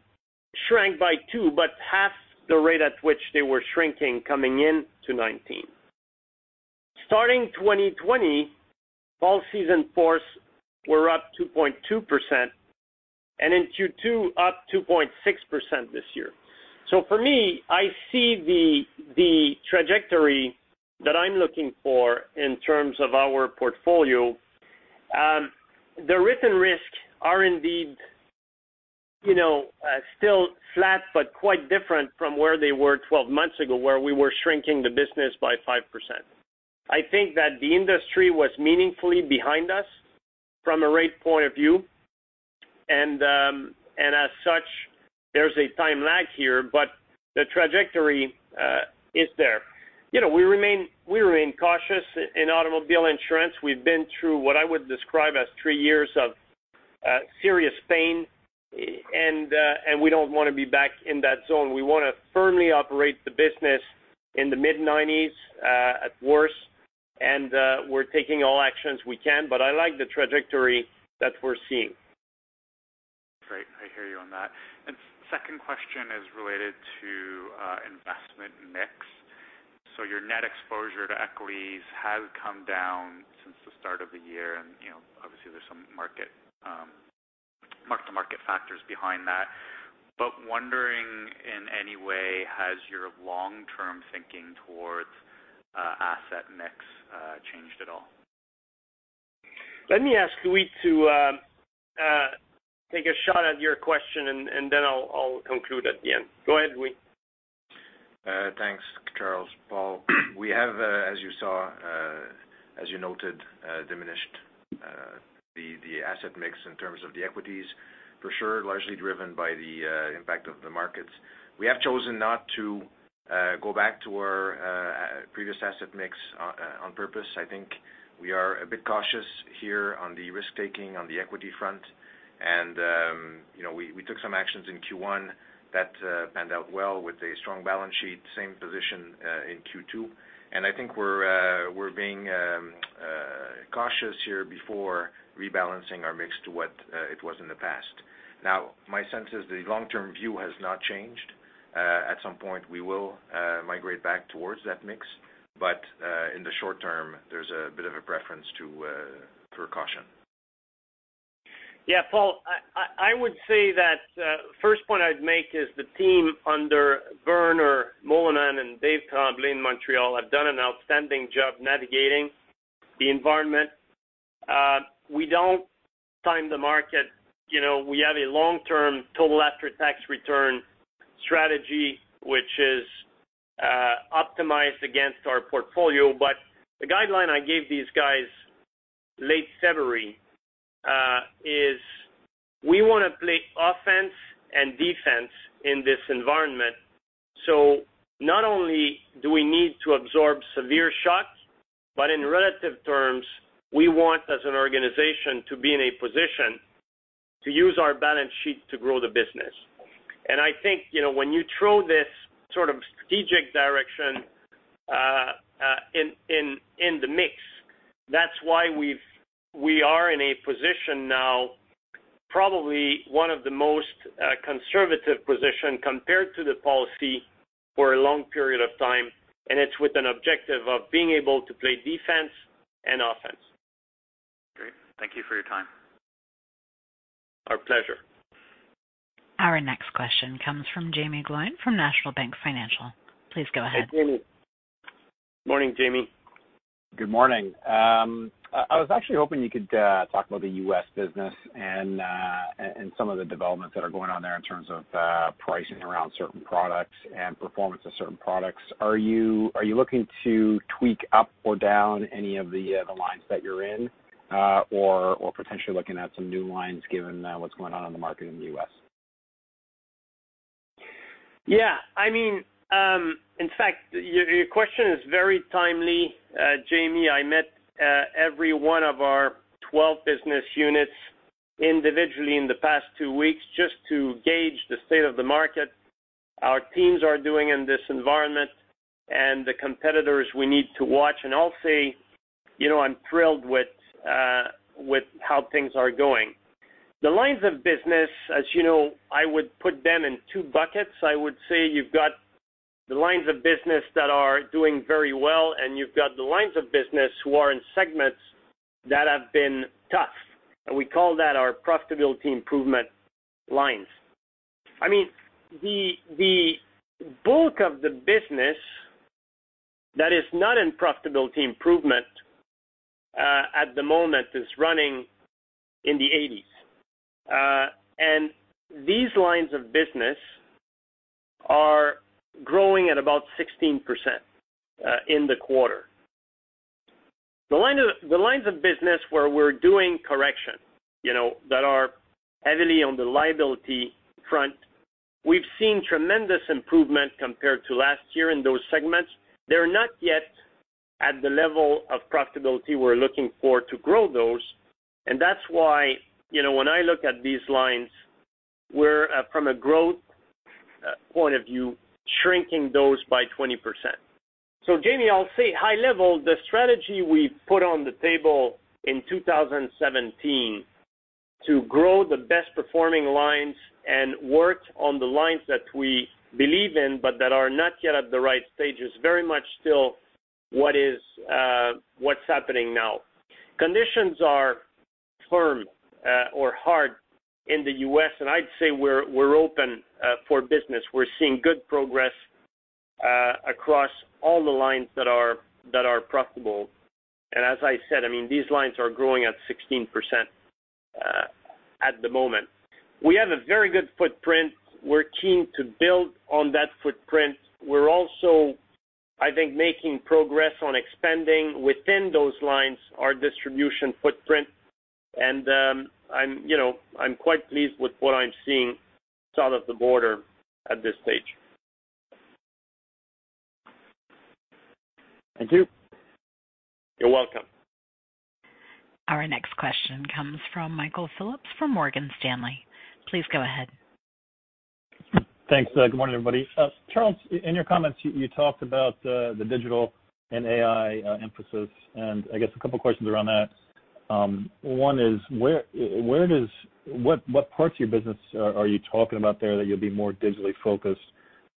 shrank by 2%, but half the rate at which they were shrinking coming into 2019. Starting 2020, policies in force were up 2.2%, and in Q2, up 2.6% this year. So for me, I see the trajectory that I'm looking for in terms of our portfolio, the written risk are indeed, you know, still flat, but quite different from where they were 12 months ago, where we were shrinking the business by 5%. I think that the industry was meaningfully behind us from a rate point of view, and as such, there's a time lag here, but the trajectory is there. You know, we remain, we remain cautious in automobile insurance. We've been through what I would describe as three years of serious pain, and we don't want to be back in that zone. We wanna firmly operate the business in the mid-90s, at worst, and we're taking all actions we can, but I like the trajectory that we're seeing. Great, I hear you on that. Second question is related to investment mix. Your net exposure to equities has come down since the start of the year, and, you know, obviously, there's some market mark-to-market factors behind that. Wondering, in any way, has your long-term thinking towards asset mix changed at all? Let me ask Louis to take a shot at your question, and then I'll conclude at the end. Go ahead, Louis. Thanks, Charles. Paul, we have, as you saw, as you noted, diminished the asset mix in terms of the equities, for sure, largely driven by the impact of the markets. We have chosen not to go back to our previous asset mix on purpose. I think we are a bit cautious here on the risk-taking on the equity front, and, you know, we took some actions in Q1 that panned out well with a strong balance sheet, same position in Q2. And I think we're being cautious here before rebalancing our mix to what it was in the past. Now, my sense is the long-term view has not changed. At some point, we will migrate back towards that mix, but in the short term, there's a bit of a preference to precaution. Yeah, Paul, I would say that first point I'd make is the team under Werner Muehlemann and Dave Cobley in Montreal have done an outstanding job navigating the environment. We don't time the market. You know, we have a long-term total after-tax return strategy, which is optimized against our portfolio. But the guideline I gave these guys late February is we wanna play offense and defense in this environment. So not only do we need to absorb severe shocks, but in relative terms, we want, as an organization, to be in a position to use our balance sheet to grow the business. I think, you know, when you throw this sort of strategic direction in the mix, that's why we are in a position now, probably one of the most conservative position compared to the policy for a long period of time, and it's with an objective of being able to play defense and offense. Great. Thank you for your time. Our pleasure. Our next question comes from Jaeme Gloyn from National Bank Financial. Please go ahead. Hey, Jaeme. Morning, Jaeme. Good morning. I was actually hoping you could talk about the U.S. business and some of the developments that are going on there in terms of pricing around certain products and performance of certain products. Are you looking to tweak up or down any of the lines that you're in, or potentially looking at some new lines given what's going on in the market in the US? Yeah. I mean, in fact, your, your question is very timely, Jaeme. I met every one of our 12 business units individually in the past two weeks just to gauge the state of the market, our teams are doing in this environment, and the competitors we need to watch. And I'll say, you know, I'm thrilled with, with how things are going. The lines of business, as you know, I would put them in two buckets. I would say you've got the lines of business that are doing very well, and you've got the lines of business who are in segments that have been tough, and we call that our profitability improvement lines. I mean, the, the bulk of the business that is not in profitability improvement, at the moment, is running in the 80s. And these lines of business-... 16% in the quarter. The lines of business where we're doing correction, you know, that are heavily on the liability front, we've seen tremendous improvement compared to last year in those segments. They're not yet at the level of profitability we're looking for to grow those, and that's why, you know, when I look at these lines, we're from a growth point of view, shrinking those by 20%. So, Jaime, I'll say high level, the strategy we put on the table in 2017, to grow the best performing lines and work on the lines that we believe in, but that are not yet at the right stage, is very much still what's happening now. Conditions are firm or hard in the U.S., and I'd say we're open for business. We're seeing good progress across all the lines that are profitable. As I said, I mean, these lines are growing at 16%, at the moment. We have a very good footprint. We're keen to build on that footprint. We're also, I think, making progress on expanding within those lines, our distribution footprint, and I'm, you know, I'm quite pleased with what I'm seeing south of the border at this stage. Thank you. You're welcome. Our next question comes from Michael Phillips from Morgan Stanley. Please go ahead. Thanks. Good morning, everybody. Charles, in your comments, you talked about the digital and AI emphasis, and I guess a couple of questions around that. One is, where does—what parts of your business are you talking about there, that you'll be more digitally focused?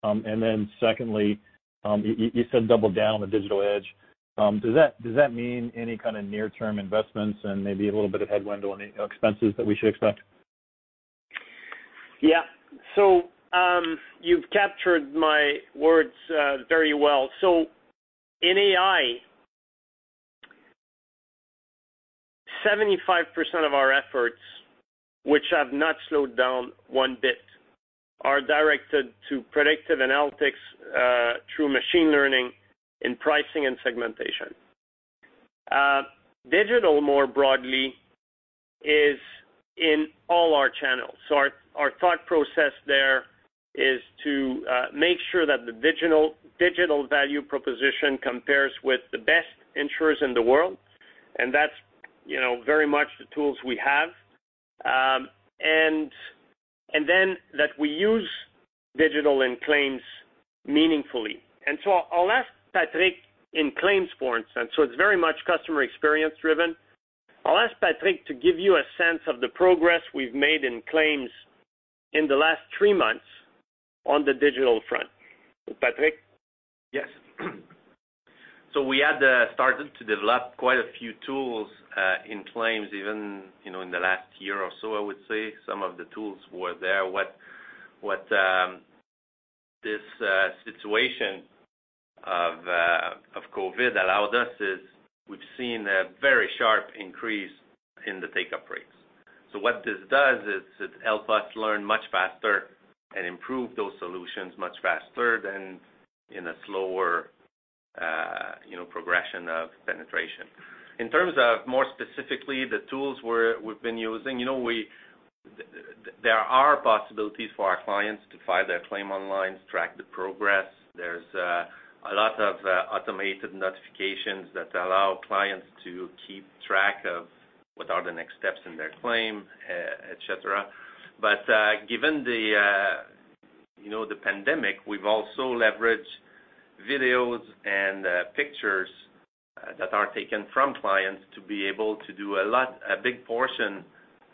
And then secondly, you said double down on the digital edge. Does that mean any kind of near-term investments and maybe a little bit of headwind on the expenses that we should expect? Yeah. So, you've captured my words very well. So in AI, 75% of our efforts, which have not slowed down one bit, are directed to predictive analytics through machine learning in pricing and segmentation. Digital, more broadly, is in all our channels. So our thought process there is to make sure that the digital value proposition compares with the best insurers in the world, and that's, you know, very much the tools we have. And then that we use digital and claims meaningfully. And so I'll ask Patrick in claims, for instance, so it's very much customer experience driven. I'll ask Patrick to give you a sense of the progress we've made in claims in the last three months on the digital front. Patrick? Yes. So we had started to develop quite a few tools in claims, even, you know, in the last year or so, I would say. Some of the tools were there. This situation of COVID allowed us is, we've seen a very sharp increase in the take-up rates. So what this does is, it help us learn much faster and improve those solutions much faster than in a slower, you know, progression of penetration. In terms of more specifically, the tools we've been using, you know, there are possibilities for our clients to file their claim online, track the progress. There's a lot of automated notifications that allow clients to keep track of what are the next steps in their claim, et cetera. But, given the, you know, the pandemic, we've also leveraged videos and, pictures, that are taken from clients to be able to do a lot, a big portion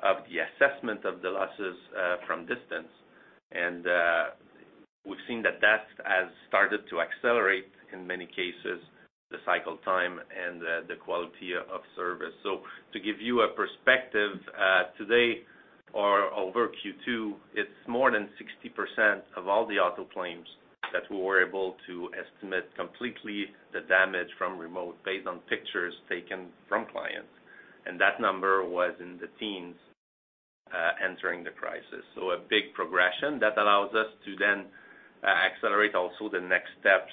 of the assessment of the losses, from distance. And, we've seen that that has started to accelerate, in many cases, the cycle time and, the quality of service. So to give you a perspective, today or over Q2, it's more than 60% of all the auto claims that we were able to estimate completely the damage from remote, based on pictures taken from clients, and that number was in the teens, entering the crisis. So a big progression that allows us to then, accelerate also the next steps,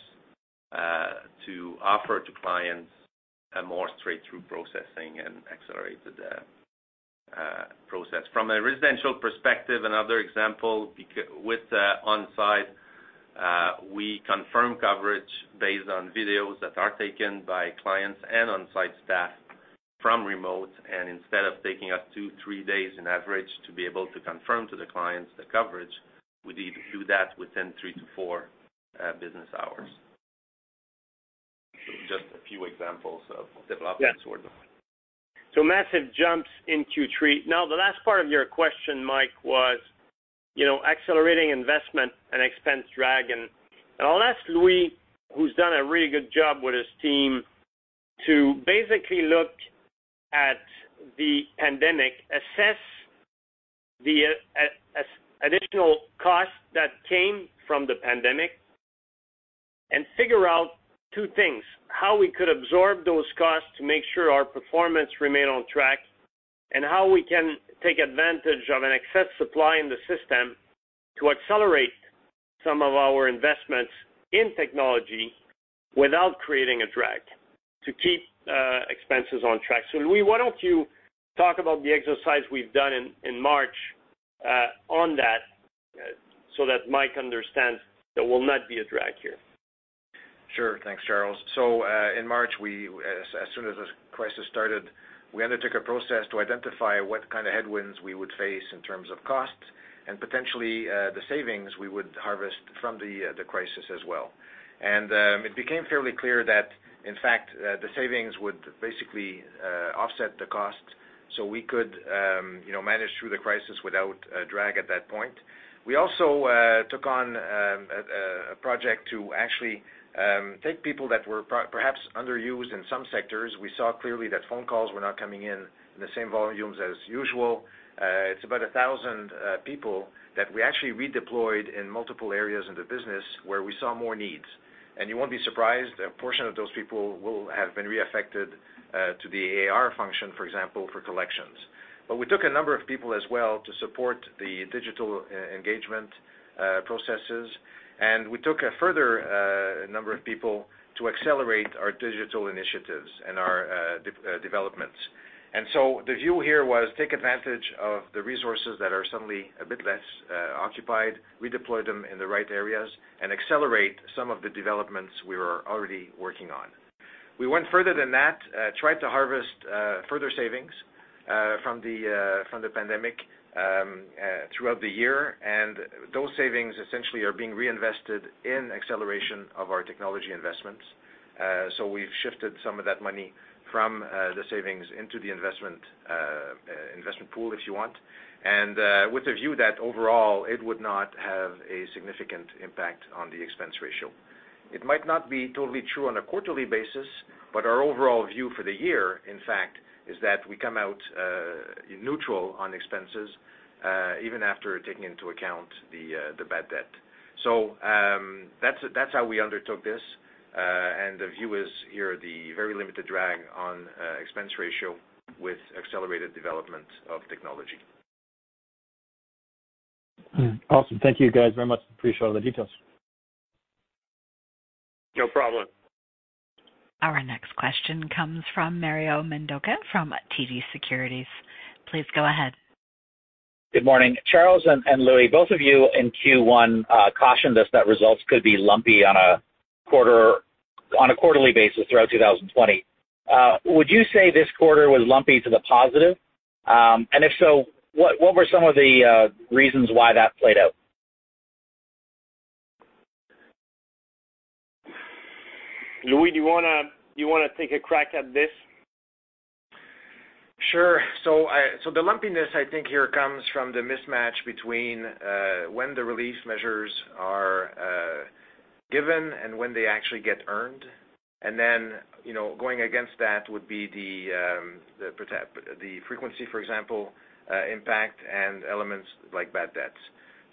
to offer to clients a more straight-through processing and accelerate the, process. From a residential perspective, another example, with On Side, we confirm coverage based on videos that are taken by clients and On Side staff from remote. And instead of taking us two to three days on average to be able to confirm to the clients the coverage, we do that within three to four business hours. So just a few examples of developments we're doing. So massive jumps in Q3. Now, the last part of your question, Mike, was, you know, accelerating investment and expense drag. And I'll ask Louis, who's done a really good job with his team, to basically look at the pandemic, assess the additional costs that came from the pandemic, and figure out two things: How we could absorb those costs to make sure our performance remained on track? and how we can take advantage of an excess supply in the system to accelerate some of our investments in technology without creating a drag, to keep expenses on track. So Louis, why don't you talk about the exercise we've done in March on that, so that Mike understands there will not be a drag here? Sure. Thanks, Charles. So, in March, as soon as this crisis started, we undertook a process to identify what kind of headwinds we would face in terms of costs and potentially the savings we would harvest from the crisis as well. It became fairly clear that, in fact, the savings would basically offset the costs, so we could, you know, manage through the crisis without a drag at that point. We also took on a project to actually take people that were perhaps underused in some sectors. We saw clearly that phone calls were not coming in the same volumes as usual. It's about 1,000 people that we actually redeployed in multiple areas in the business where we saw more needs. And you won't be surprised, a portion of those people will have been re-affected to the AR function, for example, for collections. But we took a number of people as well to support the digital e-engagement processes, and we took a further number of people to accelerate our digital initiatives and our developments. And so the view here was take advantage of the resources that are suddenly a bit less occupied, redeploy them in the right areas and accelerate some of the developments we were already working on. We went further than that, tried to harvest further savings from the pandemic throughout the year. And those savings essentially are being reinvested in acceleration of our technology investments. So we've shifted some of that money from the savings into the investment pool, if you want, and with a view that overall, it would not have a significant impact on the expense ratio. It might not be totally true on a quarterly basis, but our overall view for the year, in fact, is that we come out neutral on expenses even after taking into account the bad debt. So that's how we undertook this, and the view is here, the very limited drag on expense ratio with accelerated development of technology. Hmm. Awesome. Thank you, guys, very much. Appreciate all the details. No problem. Our next question comes from Mario Mendonca from TD Securities. Please go ahead. Good morning. Charles and Louis, both of you in Q1 cautioned us that results could be lumpy on a quarterly basis throughout 2020. Would you say this quarter was lumpy to the positive? And if so, what were some of the reasons why that played out? Louis, do you wanna, do you wanna take a crack at this? Sure. So the lumpiness, I think here, comes from the mismatch between when the relief measures are given and when they actually get earned. And then, you know, going against that would be the frequency, for example, impact and elements like bad debts.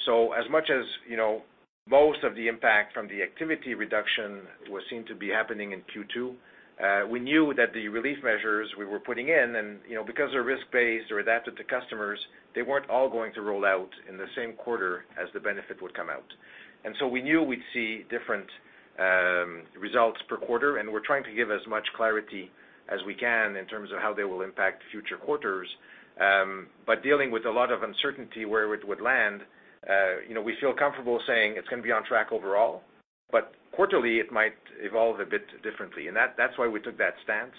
So as much as, you know, most of the impact from the activity reduction was seen to be happening in Q2, we knew that the relief measures we were putting in and, you know, because they're risk-based or adapted to customers, they weren't all going to roll out in the same quarter as the benefit would come out. And so we knew we'd see different results per quarter, and we're trying to give as much clarity as we can in terms of how they will impact future quarters. But dealing with a lot of uncertainty where it would land, you know, we feel comfortable saying it's gonna be on track overall, but quarterly, it might evolve a bit differently. And that's why we took that stance.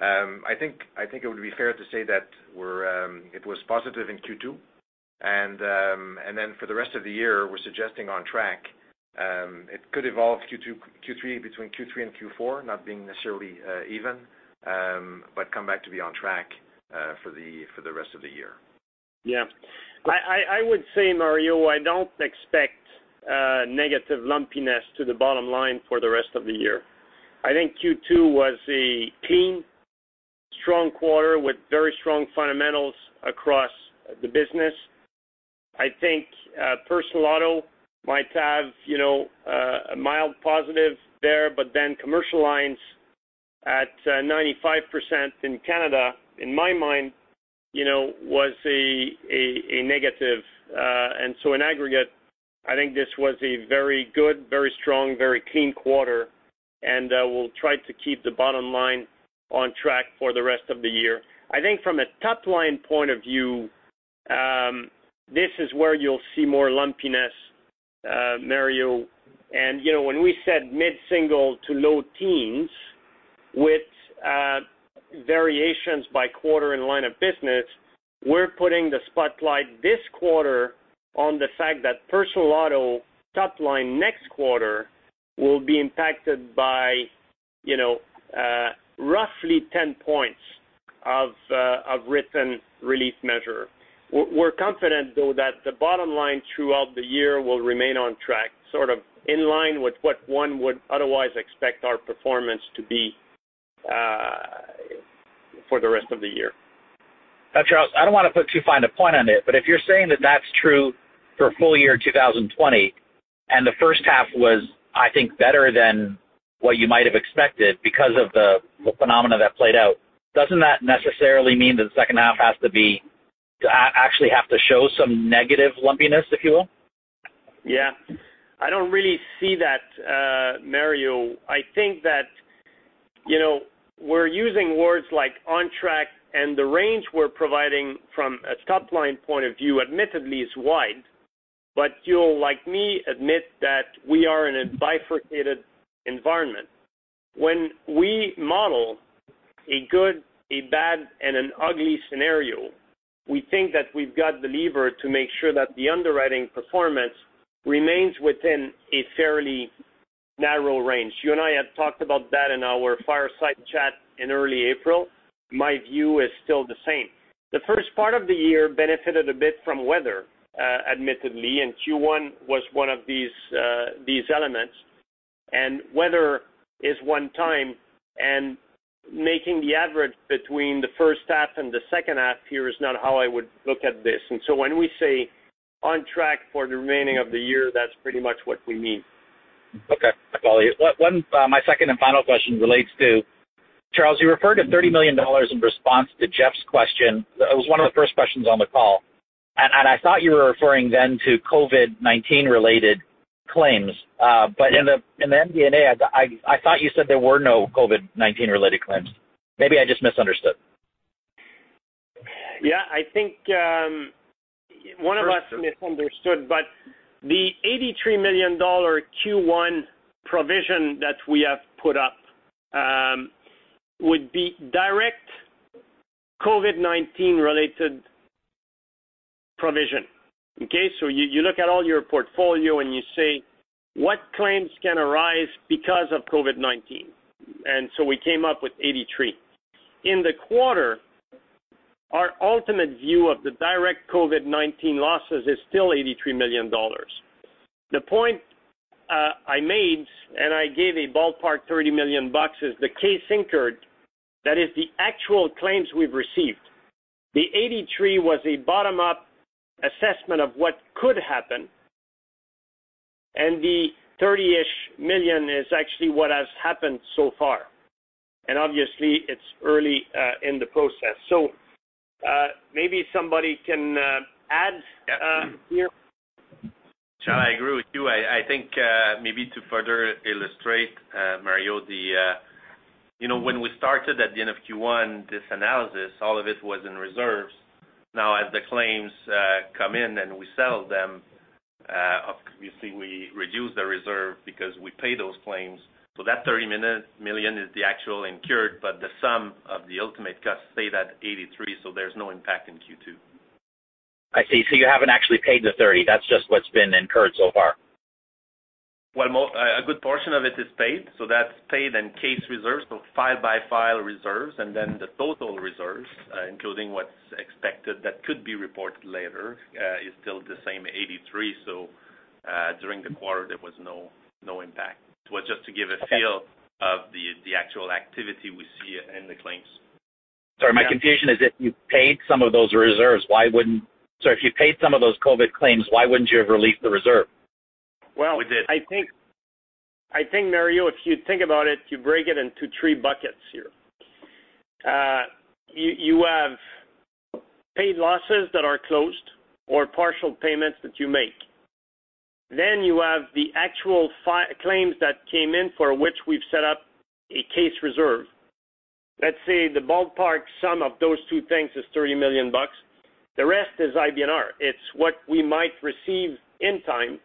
I think it would be fair to say that we're it was positive in Q2, and then for the rest of the year, we're suggesting on track. It could evolve Q2, Q3, between Q3 and Q4, not being necessarily even, but come back to be on track for the rest of the year. Yeah. I would say, Mario, I don't expect negative lumpiness to the bottom line for the rest of the year. I think Q2 was a clean, strong quarter with very strong fundamentals across the business. I think personal auto might have, you know, a mild positive there, but then commercial lines at 95% in Canada, in my mind, you know, was a negative. And so in aggregate, I think this was a very good, very strong, very clean quarter, and we'll try to keep the bottom line on track for the rest of the year. I think from a top-line point of view, this is where you'll see more lumpiness, Mario. You know, when we said mid-single to low teens, with variations by quarter and line of business, we're putting the spotlight this quarter on the fact that personal auto top line next quarter will be impacted by, you know, roughly 10 points of written relief measure. We're confident, though, that the bottom line throughout the year will remain on track, sort of in line with what one would otherwise expect our performance to be, for the rest of the year. Charles, I don't wanna put too fine a point on it, but if you're saying that that's true for full year 2020... and the first half was, I think, better than what you might have expected because of the phenomena that played out. Doesn't that necessarily mean that the second half has to be, actually have to show some negative lumpiness, if you will? Yeah. I don't really see that, Mario. I think that, you know, we're using words like on track, and the range we're providing from a top line point of view, admittedly, is wide. But you'll, like me, admit that we are in a bifurcated environment. When we model a good, a bad, and an ugly scenario, we think that we've got the lever to make sure that the underwriting performance remains within a fairly narrow range. You and I have talked about that in our Fireside Chat in early April. My view is still the same. The first part of the year benefited a bit from weather, admittedly, and Q1 was one of these, these elements. And weather is one time, and making the average between the first half and the second half here is not how I would look at this. And so when we say on track for the remaining of the year, that's pretty much what we mean. Okay, I follow you. One, my second and final question relates to, Charles, you referred to 30 million dollars in response to Geoff's question. It was one of the first questions on the call, and I thought you were referring then to COVID-19 related claims. But in the MD&A, I thought you said there were no COVID-19 related claims. Maybe I just misunderstood. Yeah, I think one of us misunderstood, but the 83 million dollar Q1 provision that we have put up would be direct COVID-19 related provision. Okay, so you, you look at all your portfolio and you say, what claims can arise because of COVID-19? And so we came up with 83 million. In the quarter, our ultimate view of the direct COVID-19 losses is still CAD 83 million. The point I made, and I gave a ballpark 30 million bucks, is the case incurred, that is the actual claims we've received. The 83 million was a bottom-up assessment of what could happen, and the 30-ish million is actually what has happened so far. And obviously, it's early in the process. So maybe somebody can add here? Charles, I agree with you. I, I think, maybe to further illustrate, Mario, you know, when we started at the end of Q1, this analysis, all of it was in reserves. Now, as the claims come in and we settle them, obviously, we reduce the reserve because we pay those claims. So that 30 million is the actual incurred, but the sum of the ultimate costs stay that 83 million, so there's no impact in Q2. I see. So you haven't actually paid the 30. That's just what's been incurred so far? Well, a good portion of it is paid, so that's paid and case reserves, so file-by-file reserves, and then the total reserves, including what's expected that could be reported later, is still the same 83. So, during the quarter, there was no impact. It was just to give a feel of the actual activity we see in the claims. Sorry, my confusion is if you paid some of those reserves, why wouldn't-- So if you paid some of those COVID claims, why wouldn't you have released the reserve? Well- We did. I think, Mario, if you think about it, you break it into three buckets here. You have paid losses that are closed or partial payments that you make. Then you have the actual claims that came in for which we've set up a case reserve. Let's say the ballpark sum of those two things is $30 million bucks. The rest is IBNR. It's what we might receive in time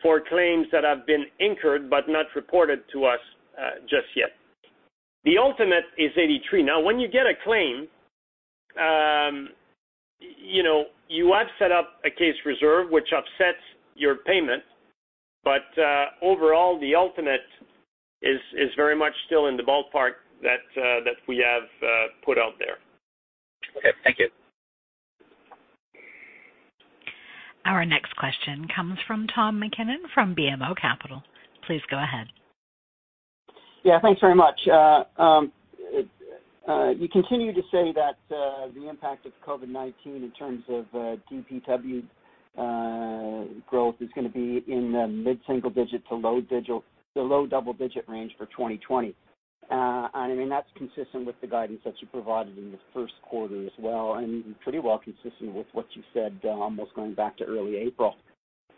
for claims that have been incurred but not reported to us, just yet. The ultimate is $83 million. Now, when you get a claim, you know, you have set up a case reserve, which offsets your payment, but overall, the ultimate is very much still in the ballpark that that we have put out there. Okay, thank you. Our next question comes from Tom MacKinnon, from BMO Capital. Please go ahead. Yeah, thanks very much. You continue to say that the impact of COVID-19 in terms of DPW growth is gonna be in the mid-single digit to low digit, to low double-digit range for 2020. And I mean, that's consistent with the guidance that you provided in the first quarter as well, and pretty well consistent with what you said, almost going back to early April.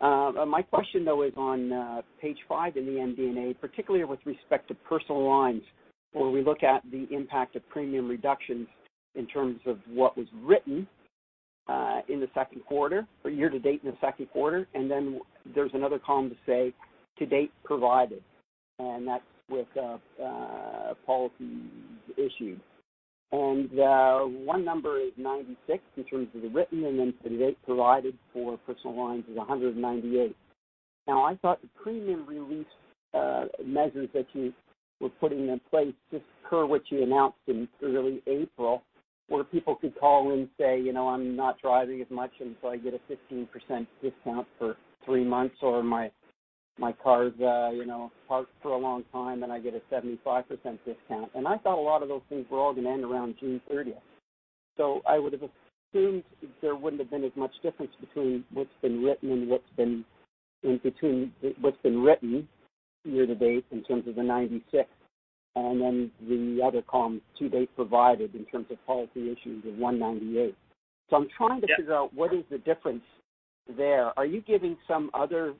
My question, though, is on page five in the MD&A, particularly with respect to personal lines, where we look at the impact of premium reductions in terms of what was written in the second quarter, or year to date in the second quarter, and then there's another column to say, to date provided, and that's with policies issued. And, one number is 96 in terms of the written, and then to date provided for personal lines is 198. Now, I thought the premium relief measures that you were putting in place, just per what you announced in early April, where people could call in and say, "You know, I'm not driving as much, and so I get a 15% discount for three months," or, "My car's, you know, parked for a long time, and I get a 75% discount." And I thought a lot of those things were all going to end around June 30th. So I would have assumed there wouldn't have been as much difference between what's been written and what's been, and between what's been written year to date in terms of the 96, and then the other column to-date provided in terms of policies issued of 198. So I'm trying to figure out what is the difference there? Are you giving some other,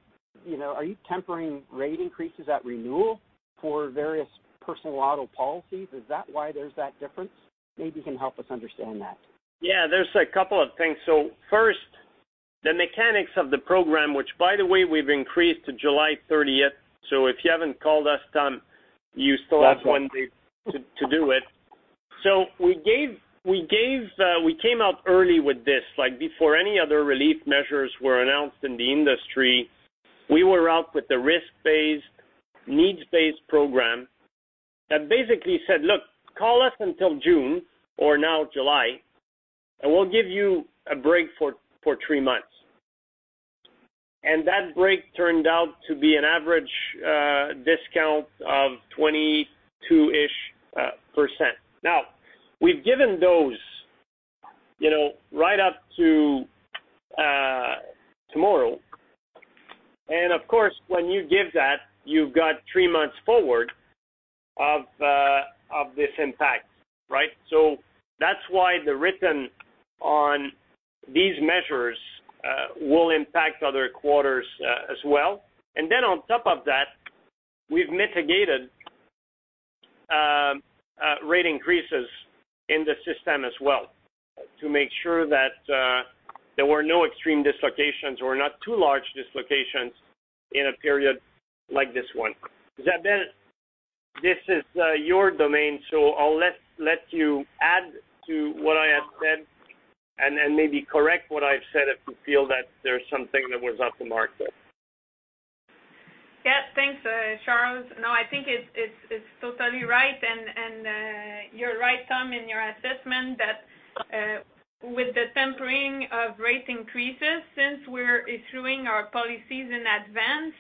you know, are you tempering rate increases at renewal for various personal auto policies? Is that why there's that difference? Maybe you can help us understand that. Yeah, there's a couple of things. So first, the mechanics of the program, which by the way, we've increased to July thirtieth. So if you haven't called us, Tom, you still have one day to do it. So we came out early with this, like, before any other relief measures were announced in the industry, we were out with the risk-based, needs-based program that basically said, "Look, call us until June or now July, and we'll give you a break for three months." And that break turned out to be an average discount of 22-ish%. Now, we've given those, you know, right up to tomorrow, and of course, when you give that, you've got three months forward of this impact, right? So that's why the written on these measures will impact other quarters as well. And then on top of that, we've mitigated rate increases in the system as well to make sure that there were no extreme dislocations or not too large dislocations in a period like this one. Isabelle, this is your domain, so I'll let you add to what I have said and then maybe correct what I've said, if you feel that there's something that was off the mark there. Yes, thanks, Charles. No, I think it's totally right, and you're right, Tom, in your assessment that with the tempering of rate increases since we're issuing our policies in advance.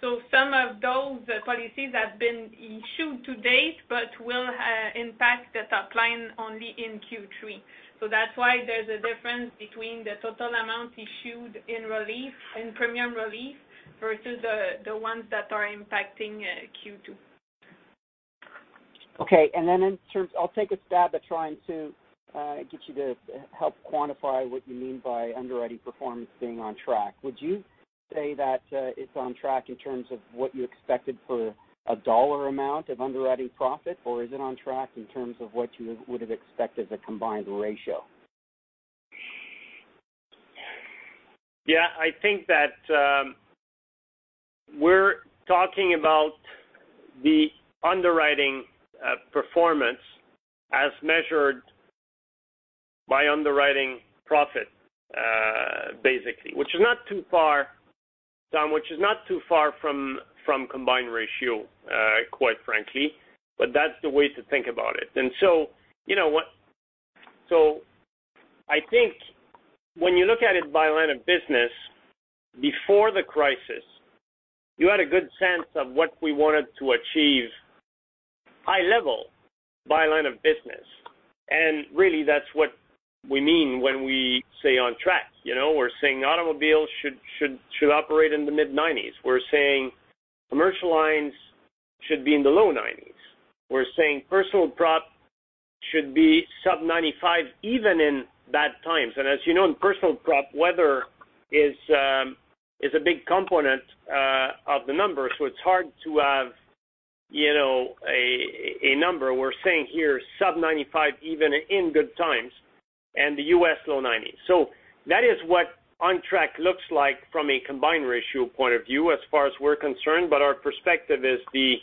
So some of those policies have been issued to date, but will impact the top line only in Q3. So that's why there's a difference between the total amount issued in relief, in premium relief, versus the ones that are impacting Q2. Okay. And then in terms, I'll take a stab at trying to get you to help quantify what you mean by underwriting performance being on track. Would you say that it's on track in terms of what you expected for a dollar amount of underwriting profit? Or is it on track in terms of what you would have expected the combined ratio? Yeah, I think that we're talking about the underwriting performance as measured by underwriting profit, basically, which is not too far, Tom, from combined ratio, quite frankly, but that's the way to think about it. So you know what? I think when you look at it by line of business, before the crisis, you had a good sense of what we wanted to achieve, high level by line of business. Really, that's what we mean when we say on track. You know, we're saying automobile should operate in the mid-90s%. We're saying commercial lines should be in the low 90s%. We're saying personal prop should be sub 95%, even in bad times. As you know, in personal prop, weather is a big component of the number, so it's hard to have, you know, a number. We're saying here, sub 95, even in good times, and the U.S., low 90s. So that is what on track looks like from a combined ratio point of view as far as we're concerned, but our perspective is the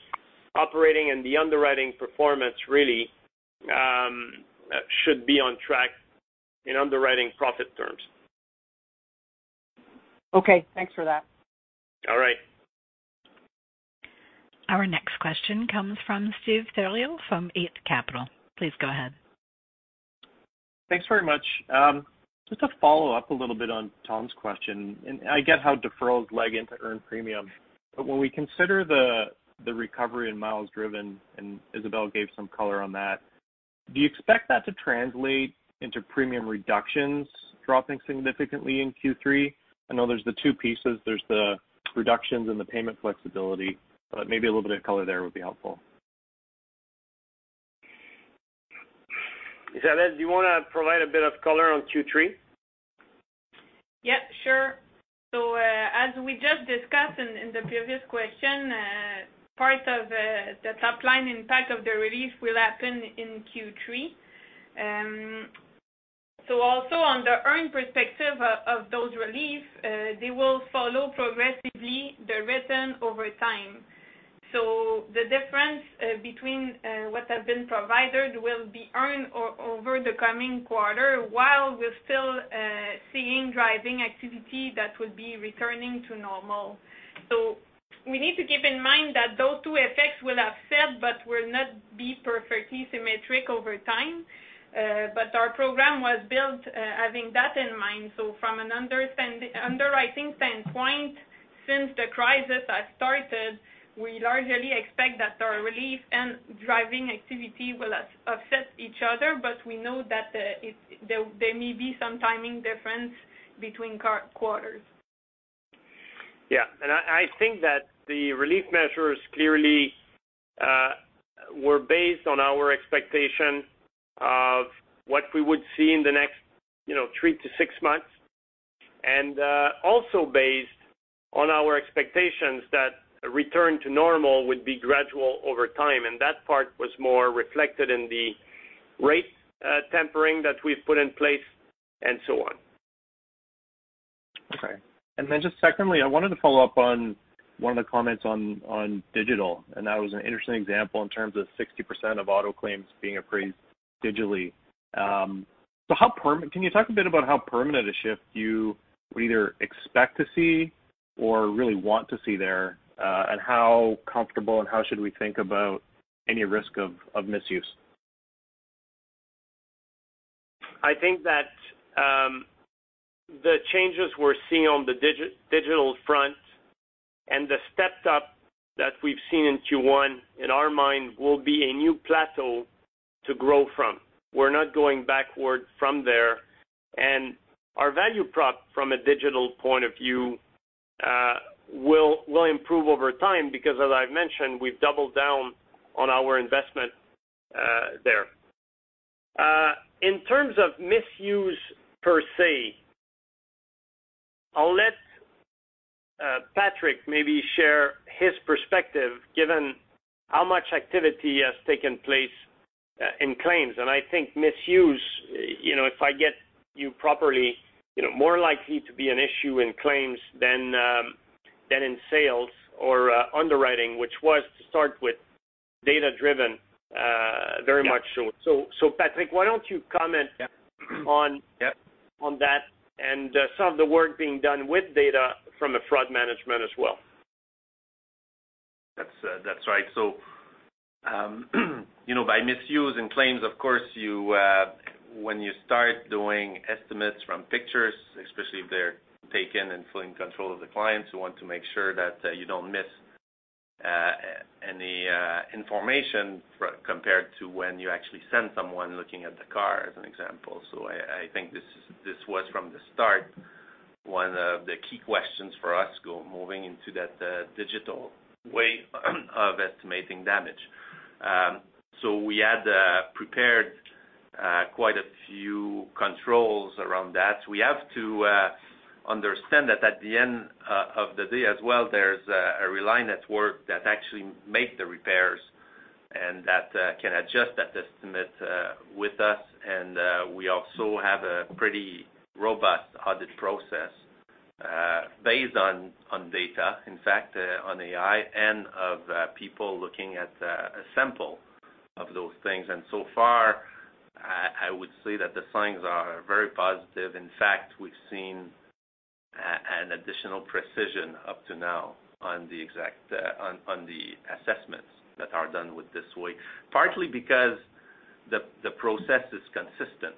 operating and the underwriting performance really should be on track in underwriting profit terms. Okay, thanks for that. All right. Our next question comes from Steve Theriault, from Eight Capital. Please go ahead. Thanks very much. Just to follow up a little bit on Tom's question, and I get how deferrals lag into earned premium, but when we consider the recovery in miles driven, and Isabelle gave some color on that, do you expect that to translate into premium reductions dropping significantly in Q3? I know there's the two pieces. There's the reductions and the payment flexibility, but maybe a little bit of color there would be helpful. Isabelle, do you want to provide a bit of color on Q3? Yeah, sure. So, as we just discussed in the previous question, part of the top line impact of the relief will happen in Q3. So also on the earn perspective of those relief, they will follow progressively the return over time. So the difference between what have been provided will be earned over the coming quarter, while we're still seeing driving activity that would be returning to normal. So we need to keep in mind that those two effects will offset but will not be perfectly symmetric over time. But our program was built having that in mind. So from an underwriting standpoint, since the crisis started we largely expect that our relief and driving activity will offset each other, but we know that there may be some timing difference between calendar quarters. Yeah, and I think that the relief measures clearly were based on our expectation of what we would see in the next, you know, three to six months. And also based on our expectations that a return to normal would be gradual over time, and that part was more reflected in the rate tempering that we've put in place, and so on. Okay. And then just secondly, I wanted to follow up on one of the comments on, on digital, and that was an interesting example in terms of 60% of auto claims being appraised digitally. So, how permanent a shift you would either expect to see or really want to see there, and how comfortable, and how should we think about any risk of, of misuse? I think that, the changes we're seeing on the digital front and the stepped up that we've seen in Q1, in our mind, will be a new plateau to grow from. We're not going backward from there, and our value prop from a digital point of view, will improve over time, because as I've mentioned, we've doubled down on our investment, there. In terms of misuse, per se, I'll let, Patrick maybe share his perspective, given how much activity has taken place, in claims. And I think misuse, you know, if I get you properly, you know, more likely to be an issue in claims than, than in sales or, underwriting, which was to start with data-driven, very much so. Yeah. So, Patrick, why don't you comment- Yeah. -on- Yeah. on that, and some of the work being done with data from a fraud management as well. That's, that's right. So, you know, by misuse in claims, of course, you, when you start doing estimates from pictures, especially if they're taken and fully in control of the clients, you want to make sure that you don't miss any information, compared to when you actually send someone looking at the car, as an example. So I think this was from the start, one of the key questions for us moving into that digital way of estimating damage. So we had prepared quite a few controls around that. We have to understand that at the end of the day as well, there's a reliable network that actually make the repairs and that can adjust that estimate with us. We also have a pretty robust audit process based on data, in fact, on AI and/or people looking at a sample of those things. So far, I would say that the signs are very positive. In fact, we've seen an additional precision up to now on the exact assessments that are done in this way. Partly because the process is consistent.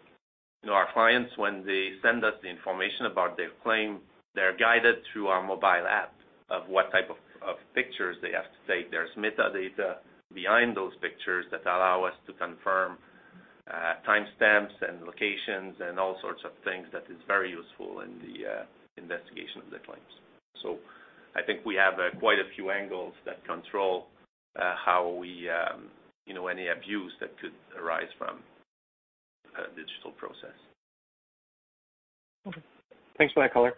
You know, our clients, when they send us the information about their claim, they're guided through our mobile app on what type of pictures they have to take. There's metadata behind those pictures that allow us to confirm timestamps and locations and all sorts of things that is very useful in the investigation of the claims. I think we have quite a few angles that control how we, you know, any abuse that could arise from a digital process. Okay. Thanks for that color.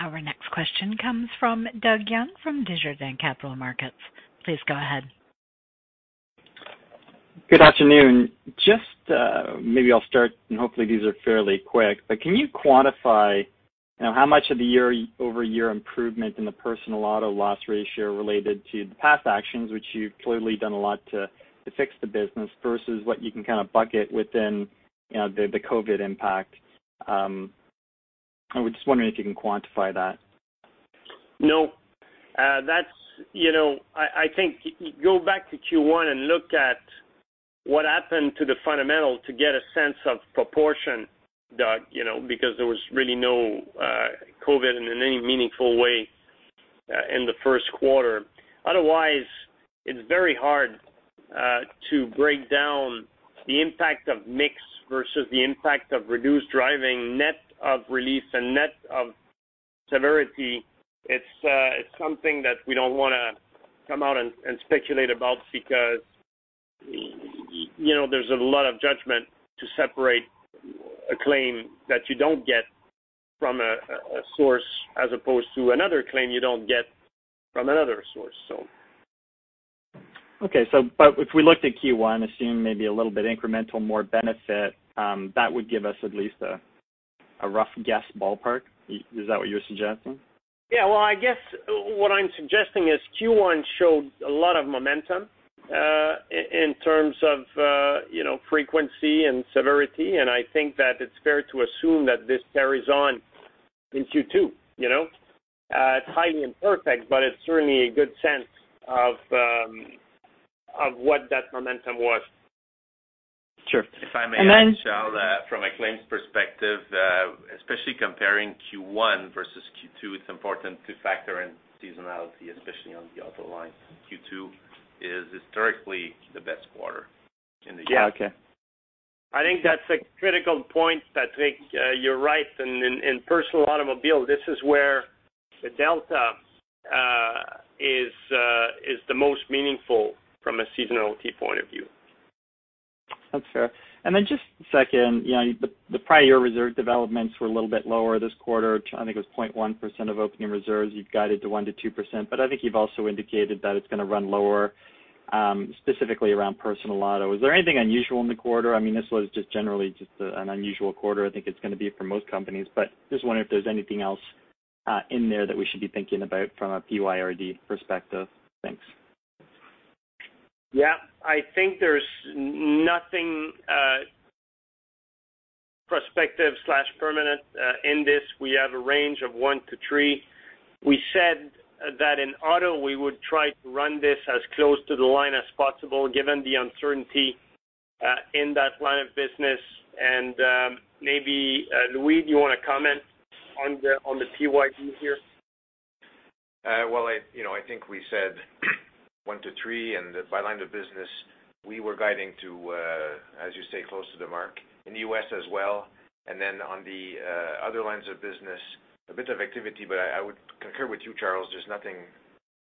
Our next question comes from Doug Young, from Desjardins Capital Markets. Please go ahead. Good afternoon. Just, maybe I'll start, and hopefully, these are fairly quick, but can you quantify, you know, how much of the year-over-year improvement in the personal auto loss ratio related to the past actions, which you've clearly done a lot to, to fix the business, versus what you can kind of bucket within, you know, the, the COVID impact? I was just wondering if you can quantify that. No. That's, you know, I think, go back to Q1 and look at what happened to the fundamental to get a sense of proportion, Doug, you know, because there was really no COVID in any meaningful way in the first quarter. Otherwise, it's very hard to break down the impact of mix versus the impact of reduced driving, net of relief and net of severity. It's something that we don't wanna come out and speculate about because, you know, there's a lot of judgment to separate a claim that you don't get from a source as opposed to another claim you don't get from another source so. Okay. So, but if we looked at Q1 and assume maybe a little bit incremental, more benefit, that would give us at least a rough guess ballpark. Is that what you're suggesting? Yeah. Well, I guess what I'm suggesting is Q1 showed a lot of momentum in terms of, you know, frequency and severity, and I think that it's fair to assume that this carries on in Q2, you know? It's highly imperfect, but it's certainly a good sense of what that momentum was.... Sure. If I may, Charles, from a claims perspective, especially comparing Q1 versus Q2, it's important to factor in seasonality, especially on the auto line. Q2 is historically the best quarter in the year. Okay. I think that's a critical point, Patrick. You're right. And in personal automobile, this is where the delta is the most meaningful from a seasonality point of view. That's fair. And then just second, you know, the prior year reserve developments were a little bit lower this quarter. I think it was 0.1% of opening reserves. You've guided to 1%-2%, but I think you've also indicated that it's gonna run lower, specifically around personal auto. Is there anything unusual in the quarter? I mean, this was just generally just an unusual quarter. I think it's gonna be for most companies, but just wondering if there's anything else in there that we should be thinking about from a PYD perspective. Thanks. Yeah. I think there's nothing, prospective slash permanent, in this. We have a range of 1-3. We said that in auto, we would try to run this as close to the line as possible, given the uncertainty, in that line of business. And, maybe, Louis, do you wanna comment on the PYD here? Well, you know, I think we said one to three, and by line of business, we were guiding to, as you say, close to the mark, in the U.S. as well. And then on the other lines of business, a bit of activity, but I would concur with you, Charles. There's nothing,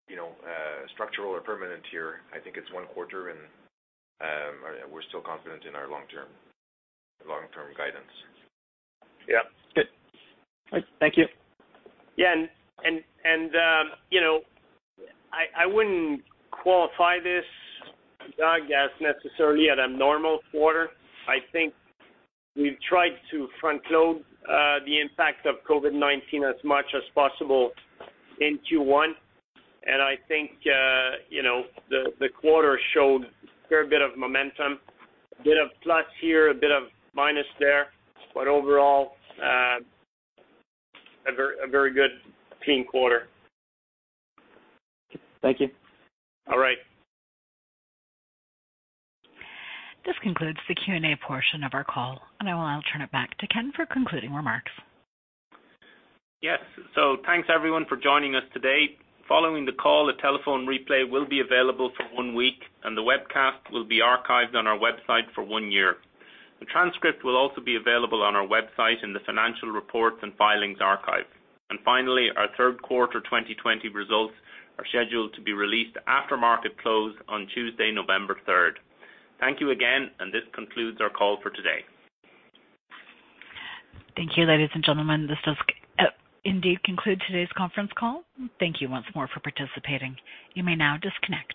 you know, structural or permanent here. I think it's one quarter, and we're still confident in our long term, long-term guidance. Yeah. Good. All right. Thank you. Yeah, you know, I wouldn't qualify this, Doug, as necessarily an abnormal quarter. I think we've tried to front-load the impact of COVID-19 as much as possible in Q1, and I think, you know, the quarter showed a fair bit of momentum. A bit of plus here, a bit of minus there, but overall, a very good clean quarter. Thank you. All right. This concludes the Q&A portion of our call, and I will now turn it back to Ken for concluding remarks. Yes, so thanks, everyone, for joining us today. Following the call, a telephone replay will be available for one week, and the webcast will be archived on our website for one year. The transcript will also be available on our website in the Financial Reports and Filings archive. Finally, our third quarter 2020 results are scheduled to be released after market close on Tuesday, November third. Thank you again, and this concludes our call for today. Thank you, ladies and gentlemen. This does, indeed conclude today's conference call. Thank you once more for participating. You may now disconnect.